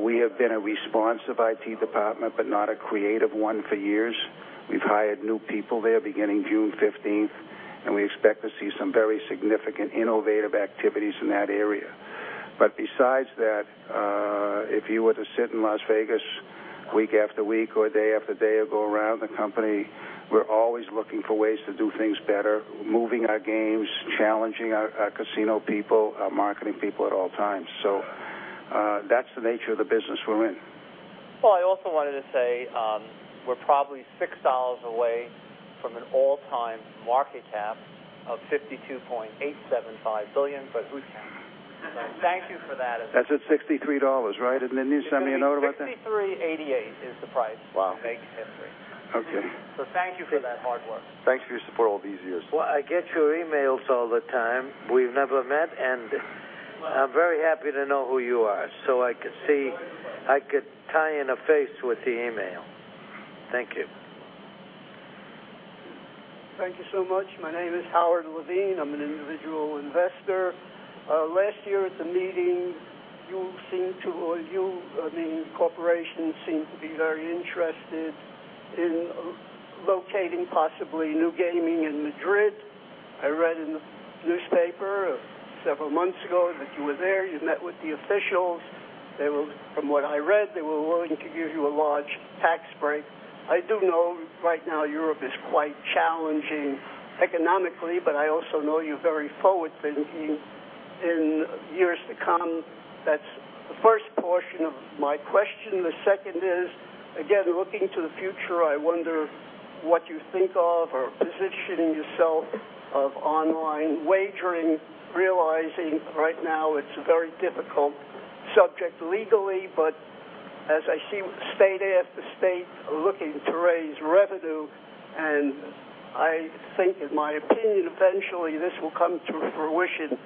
We have been a responsive IT department, but not a creative one for years. We've hired new people there beginning June 15th, we expect to see some very significant innovative activities in that area. Besides that, if you were to sit in Las Vegas week after week or day after day or go around the company, we're always looking for ways to do things better, moving our games, challenging our casino people, our marketing people at all times. That's the nature of the business we're in. Well, I also wanted to say, we're probably $6 away from an all-time market cap of $52.875 billion, but who's counting? Thank you for that. That's at $63, right? Didn't the news send me a note about that? $63.88 is the price. Wow to make history. Okay. Thank you for that hard work. Thanks for your support all these years. Well, I get your emails all the time. We've never met, and I'm very happy to know who you are so I could see- Enjoying it I could tie in a face with the email. Thank you. Thank you so much. My name is Howard Levine. I'm an individual investor. Last year at the meeting, you or the corporation seemed to be very interested in locating possibly new gaming in Madrid. I read in the newspaper several months ago that you were there. You met with the officials. From what I read, they were willing to give you a large tax break. I do know right now Europe is quite challenging economically, but I also know you're very forward-thinking in years to come. That's the first portion of my question. The second is, again, looking to the future, I wonder what you think of or positioning yourself of online wagering, realizing right now it's a very difficult subject legally, but as I see state after state looking to raise revenue, and I think in my opinion, eventually this will come to fruition.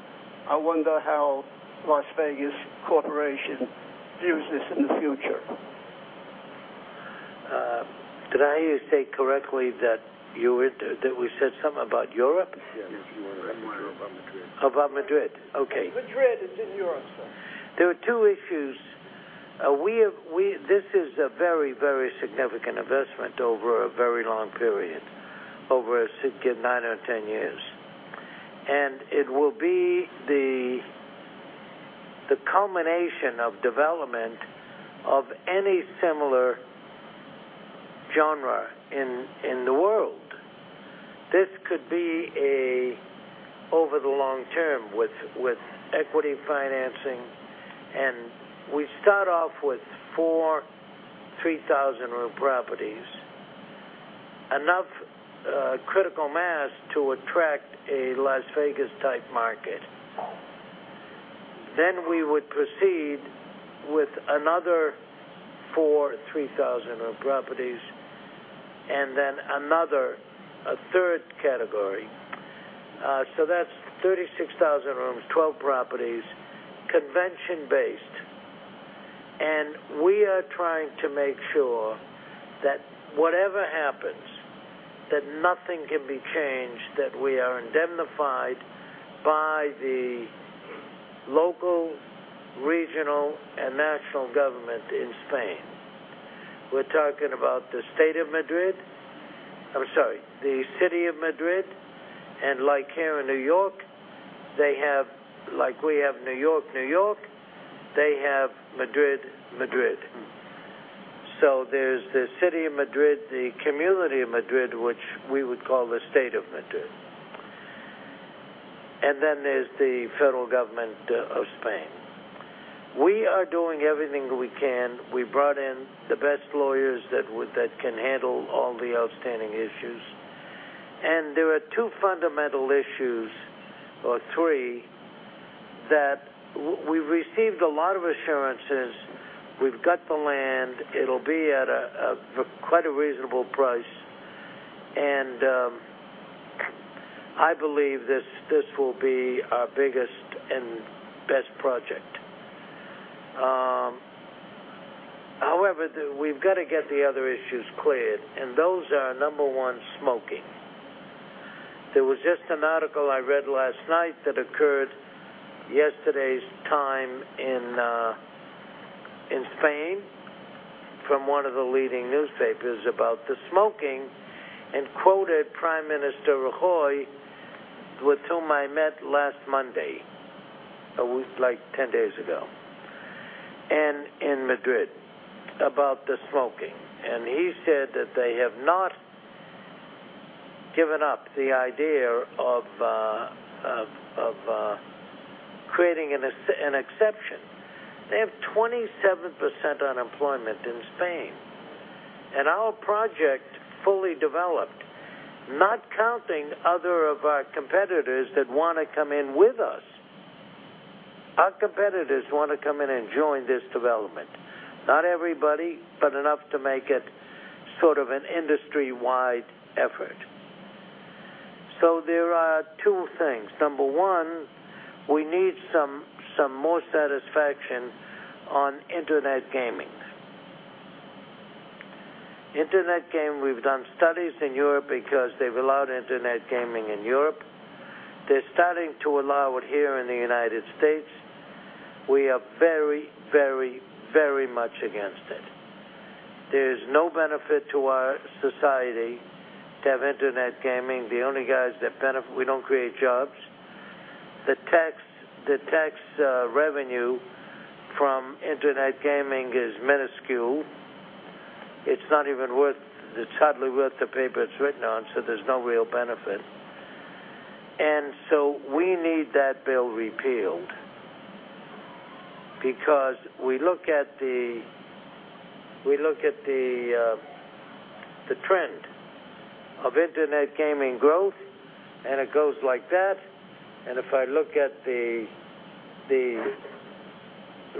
I wonder how Las Vegas Sands Corporation views this in the future. Did I hear you say correctly that we said something about Europe? Yes. Yes, you were asking about Madrid. About Madrid. Okay. Madrid is in Europe, sir. There are two issues. This is a very, very significant investment over a very long period, over a significant nine or 10 years. It will be the culmination of development of any similar genre in the world. This could be over the long term with equity financing, we start off with four 3,000-room properties, enough critical mass to attract a Las Vegas-type market. We would proceed with another four 3,000-room properties, and then another, a third category. That's 36,000 rooms, 12 properties, convention-based. We are trying to make sure that whatever happens, that nothing can be changed, that we are indemnified by the local, regional, and national government in Spain. We're talking about the state of Madrid. I'm sorry, the city of Madrid, and like here in New York, like we have New York, New York, they have Madrid. There's the city of Madrid, the community of Madrid, which we would call the state of Madrid. Then there's the federal government of Spain. We are doing everything we can. We brought in the best lawyers that can handle all the outstanding issues. There are two fundamental issues, or three, that we've received a lot of assurances. We've got the land. It'll be at quite a reasonable price. I believe this will be our biggest and best project. However, we've got to get the other issues cleared, and those are, number one, smoking. There was just an article I read last night that occurred yesterday's time in Spain from one of the leading newspapers about the smoking and quoted Prime Minister Rajoy, with whom I met last Monday, like 10 days ago. In Madrid about the smoking, he said that they have not given up the idea of creating an exception. They have 27% unemployment in Spain, our project fully developed, not counting other of our competitors that want to come in with us. Our competitors want to come in and join this development. Not everybody, but enough to make it sort of an industry-wide effort. There are two things. Number one, we need some more satisfaction on internet gaming. Internet gaming, we've done studies in Europe because they've allowed internet gaming in Europe. They're starting to allow it here in the United States. We are very, very, very much against it. There's no benefit to our society to have internet gaming. We don't create jobs. The tax revenue from internet gaming is minuscule. It's hardly worth the paper it's written on, there's no real benefit. We need that bill repealed because we look at the trend of internet gaming growth, and it goes like that. If I look at the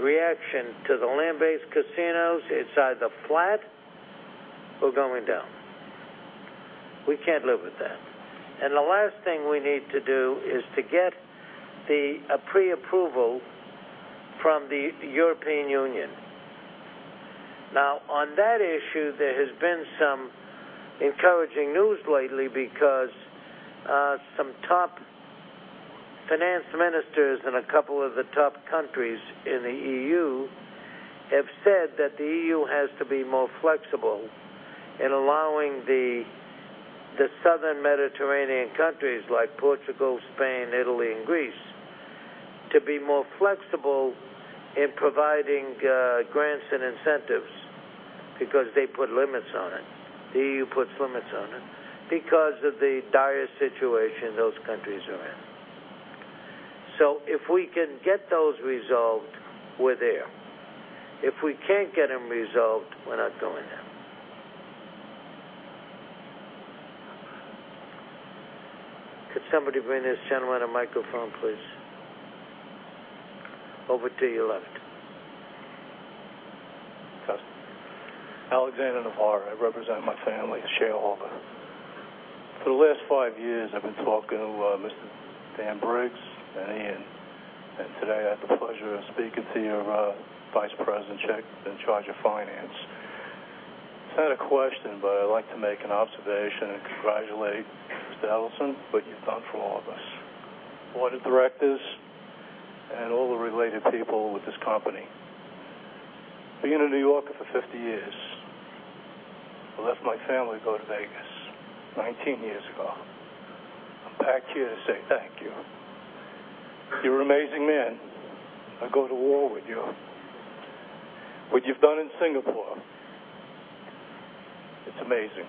reaction to the land-based casinos, it's either flat or going down. We can't live with that. The last thing we need to do is to get a pre-approval from the European Union. On that issue, there has been some encouraging news lately because some top finance ministers in a couple of the top countries in the EU have said that the EU has to be more flexible in allowing the southern Mediterranean countries like Portugal, Spain, Italy, and Greece to be more flexible in providing grants and incentives because they put limits on it. The EU puts limits on it because of the dire situation those countries are in. If we can get those resolved, we're there. If we can't get them resolved, we're not going there. Could somebody bring this gentleman a microphone, please? Over to your left. Alexander Navarre. I represent my family as a shareholder. For the last five years, I've been talking to Mr. Daniel Briggs and Ian, today I have the pleasure of speaking to your vice president in charge of finance. It's not a question, but I'd like to make an observation and congratulate Mr. Adelson for what you've done for all of us, board of directors, and all the related people with this company. Being a New Yorker for 50 years, I left my family to go to Vegas 19 years ago. I'm back here to say thank you. You're an amazing man. I'd go to war with you. What you've done in Singapore, it's amazing.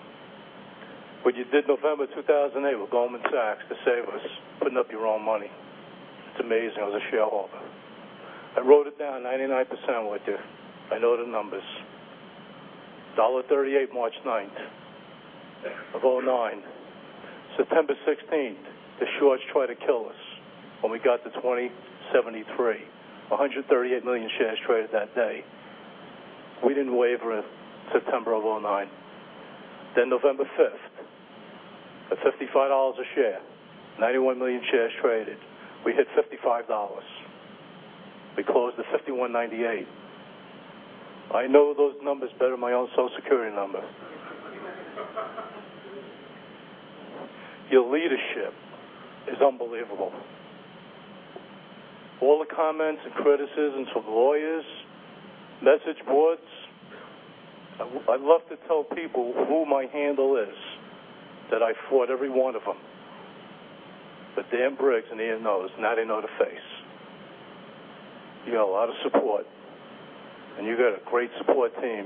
What you did November 2008 with Goldman Sachs to save us, putting up your own money, it's amazing as a shareholder. I wrote it down 99% with you. I know the numbers. $1.38, March 9th of 2009. September 16th, the shorts tried to kill us when we got to $20.73, 138 million shares traded that day. We didn't waver in September of 2009. November 5th, at $55 a share, 91 million shares traded. We hit $55. We closed at $51.98. I know those numbers better than my own Social Security number. Your leadership is unbelievable. All the comments and criticisms of lawyers, message boards, I love to tell people who my handle is, that I fought every one of them. Daniel Briggs and Ian knows, now they know the face. You got a lot of support, and you got a great support team.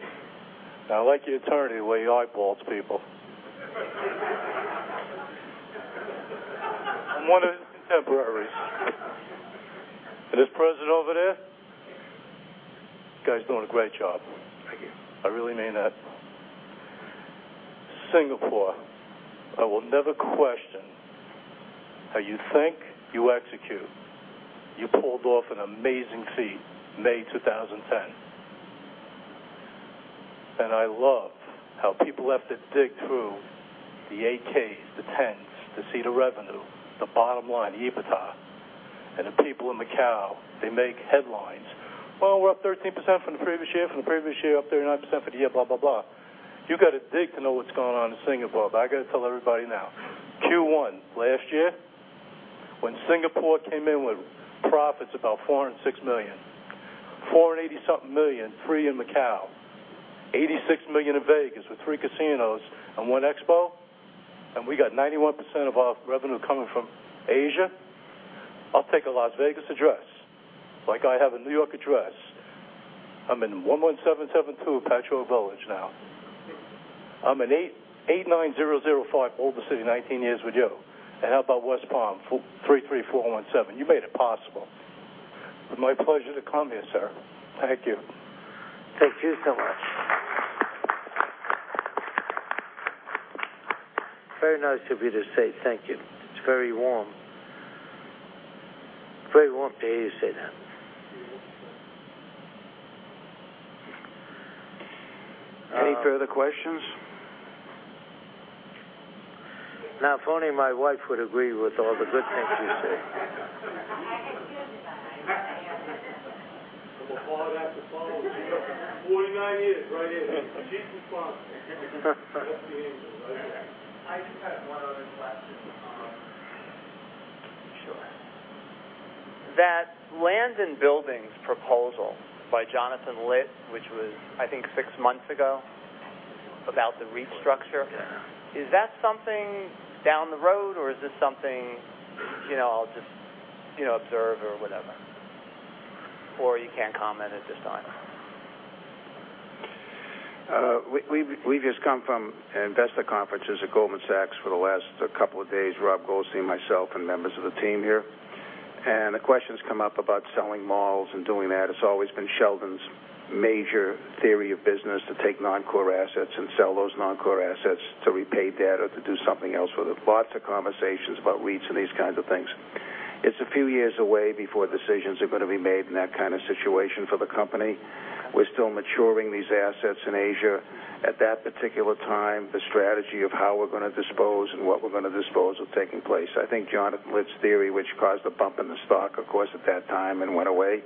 I like your attorney, the way he eyeballs people. I'm one of his contemporaries. This president over there, you guys are doing a great job. Thank you. I really mean that. Singapore, I will never question how you think, you execute. You pulled off an amazing feat May 2010. I love how people have to dig through the 8-Ks, the 10s, to see the revenue, the bottom line, EBITDA. The people in Macau, they make headlines. "Oh, we're up 13% from the previous year. From the previous year, up 39% for the year," blah, blah. You got to dig to know what's going on in Singapore, I got to tell everybody now. Q1 last year, when Singapore came in with profits about $406 million, $480 something million, three in Macau, $86 million in Vegas with three casinos and one expo We got 91% of our revenue coming from Asia. I'll take a Las Vegas address, like I have a New York address. I'm in 11772 Patchogue Village now. I'm in 89005 Boulder City 19 years with you. How about West Palm, 33417? You made it possible. My pleasure to come here, sir. Thank you. Thank you so much. Very nice of you to say thank you. It's very warm. It's very warm to hear you say that. Any further questions? If only my wife would agree with all the good things you say. I have good advice. I'm going to follow that. 49 years right here. Jesus, Papa. Blessed be angels, right here. I just have one other question. Sure. That Land and Buildings proposal by Jonathan Litt, which was, I think, six months ago, about the restructure. Yeah. Is that something down the road, or is this something I'll just observe or whatever? You can't comment at this time? We've just come from investor conferences at Goldman Sachs for the last couple of days, Robert Goldstein, myself, and members of the team here. The question's come up about selling malls and doing that. It's always been Sheldon's major theory of business to take non-core assets and sell those non-core assets to repay debt or to do something else with it. Lots of conversations about REITs and these kinds of things. It's a few years away before decisions are going to be made in that kind of situation for the company. We're still maturing these assets in Asia. At that particular time, the strategy of how we're going to dispose and what we're going to dispose will take place. I think Jonathan Litt's theory, which caused a bump in the stock, of course, at that time, and went away.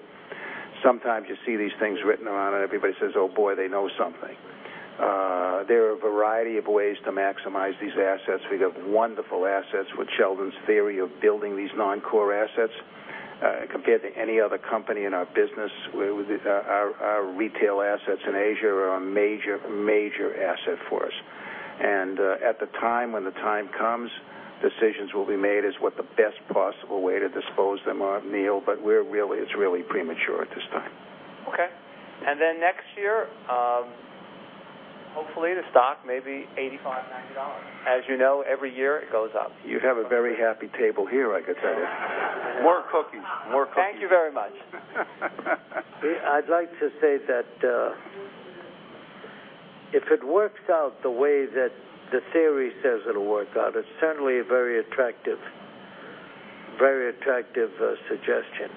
Sometimes you see these things written around and everybody says, "Oh, boy, they know something." There are a variety of ways to maximize these assets. We have wonderful assets with Sheldon's theory of building these non-core assets. Compared to any other company in our business, our retail assets in Asia are a major asset for us. At the time, when the time comes, decisions will be made as what the best possible way to dispose them are, Neil, but it's really premature at this time. Okay. Next year, hopefully the stock may be $85, $90. As you know, every year it goes up. You have a very happy table here, I could tell you. More cookies. Thank you very much. I'd like to say that if it works out the way that the theory says it'll work out, it's certainly a very attractive suggestion.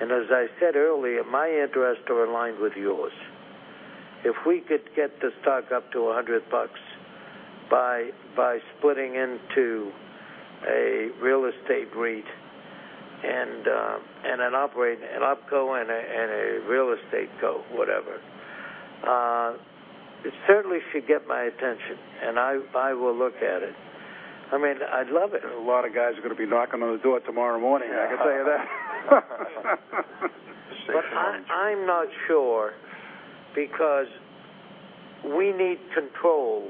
As I said earlier, my interests are aligned with yours. If we could get the stock up to $100 by splitting into a real estate REIT and an OpCo and a real estate co, whatever, it certainly should get my attention, and I will look at it. I'd love it. A lot of guys are going to be knocking on the door tomorrow morning, I can tell you that. I'm not sure because we need control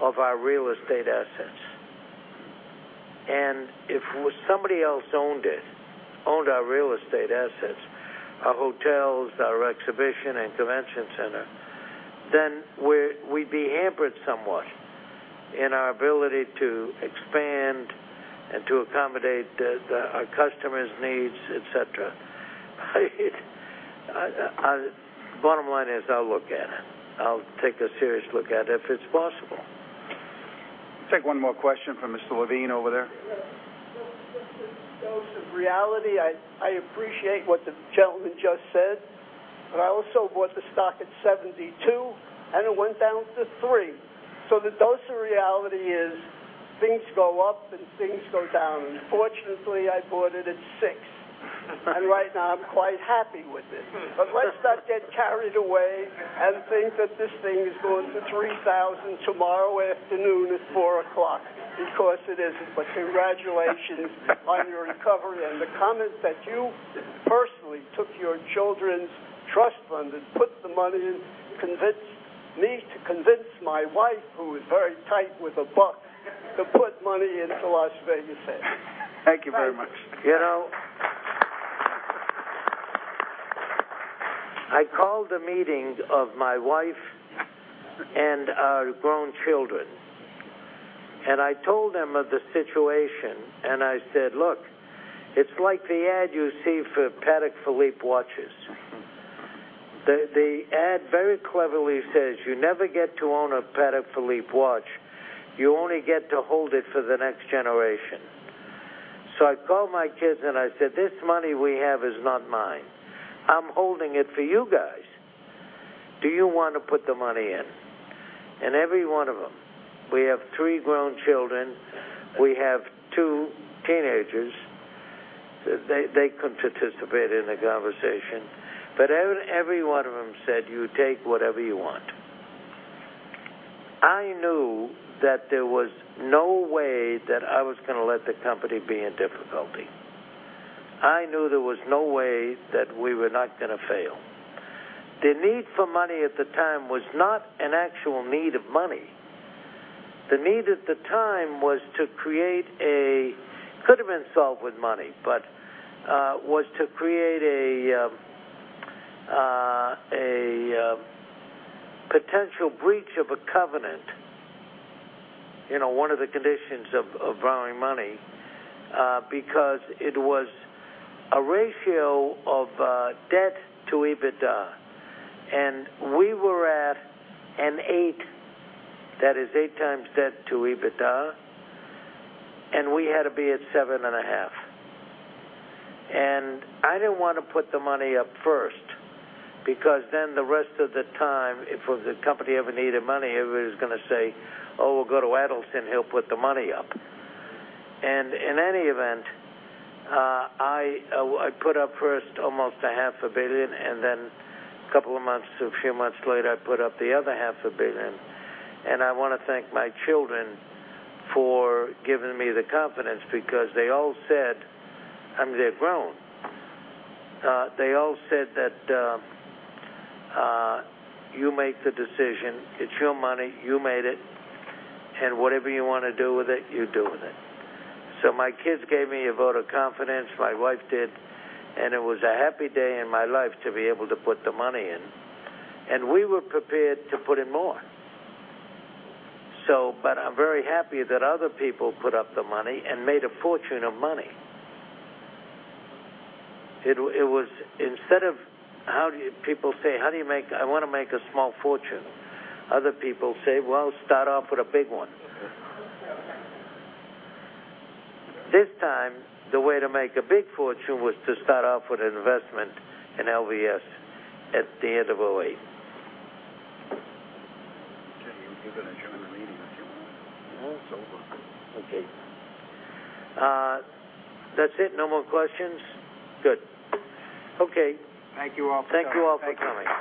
of our real estate assets. If somebody else owned it, owned our real estate assets, our hotels, our exhibition and convention center, then we'd be hampered somewhat in our ability to expand and to accommodate our customers' needs, et cetera. Bottom line is, I'll look at it. I'll take a serious look at it if it's possible. Take one more question from Mr. Levine over there. Just a dose of reality. I appreciate what the gentleman just said, but I also bought the stock at 72, and it went down to three. The dose of reality is things go up and things go down. Fortunately, I bought it at six. Right now I'm quite happy with it. Let's not get carried away and think that this thing is going to 3,000 tomorrow afternoon at 4:00 P.M., because it isn't. Congratulations on your recovery and the comment that you personally took your children's trust fund and put the money in, convinced me to convince my wife, who is very tight with a buck, to put money into Las Vegas Sands. Thank you very much. I called a meeting of my wife and our grown children, I told them of the situation, and I said, "Look, it's like the ad you see for Patek Philippe watches." The ad very cleverly says, "You never get to own a Patek Philippe watch. You only get to hold it for the next generation." I called my kids and I said, "This money we have is not mine. I'm holding it for you guys. Do you want to put the money in?" Every one of them, we have three grown children, we have two teenagers, they couldn't participate in the conversation. Every one of them said, "You take whatever you want." I knew that there was no way that I was going to let the company be in difficulty. I knew there was no way that we were not going to fail. The need for money at the time was not an actual need of money. The need at the time could have been solved with money, but was to create a potential breach of a covenant, one of the conditions of borrowing money, because it was a ratio of debt to EBITDA. We were at an eight, that is eight times debt to EBITDA, and we had to be at seven and a half. I didn't want to put the money up first, because then the rest of the time, if the company ever needed money, everybody was going to say, "Oh, we'll go to Adelson, he'll put the money up." In any event, I put up first almost a half a billion, and then a few months later, I put up the other half a billion. I want to thank my children for giving me the confidence, because they all said I mean, they're grown. They all said that, "You make the decision. It's your money. You made it. Whatever you want to do with it, you do with it." My kids gave me a vote of confidence, my wife did, and it was a happy day in my life to be able to put the money in, and we were prepared to put in more. I'm very happy that other people put up the money and made a fortune of money. People say, "I want to make a small fortune." Other people say, "Well, start off with a big one." This time, the way to make a big fortune was to start off with an investment in LVS at the end of 2008. Jimmy, you can adjourn the meeting if you want. No. It's over. Okay. That's it. No more questions? Good. Okay. Thank you all for coming. Thank you all for coming.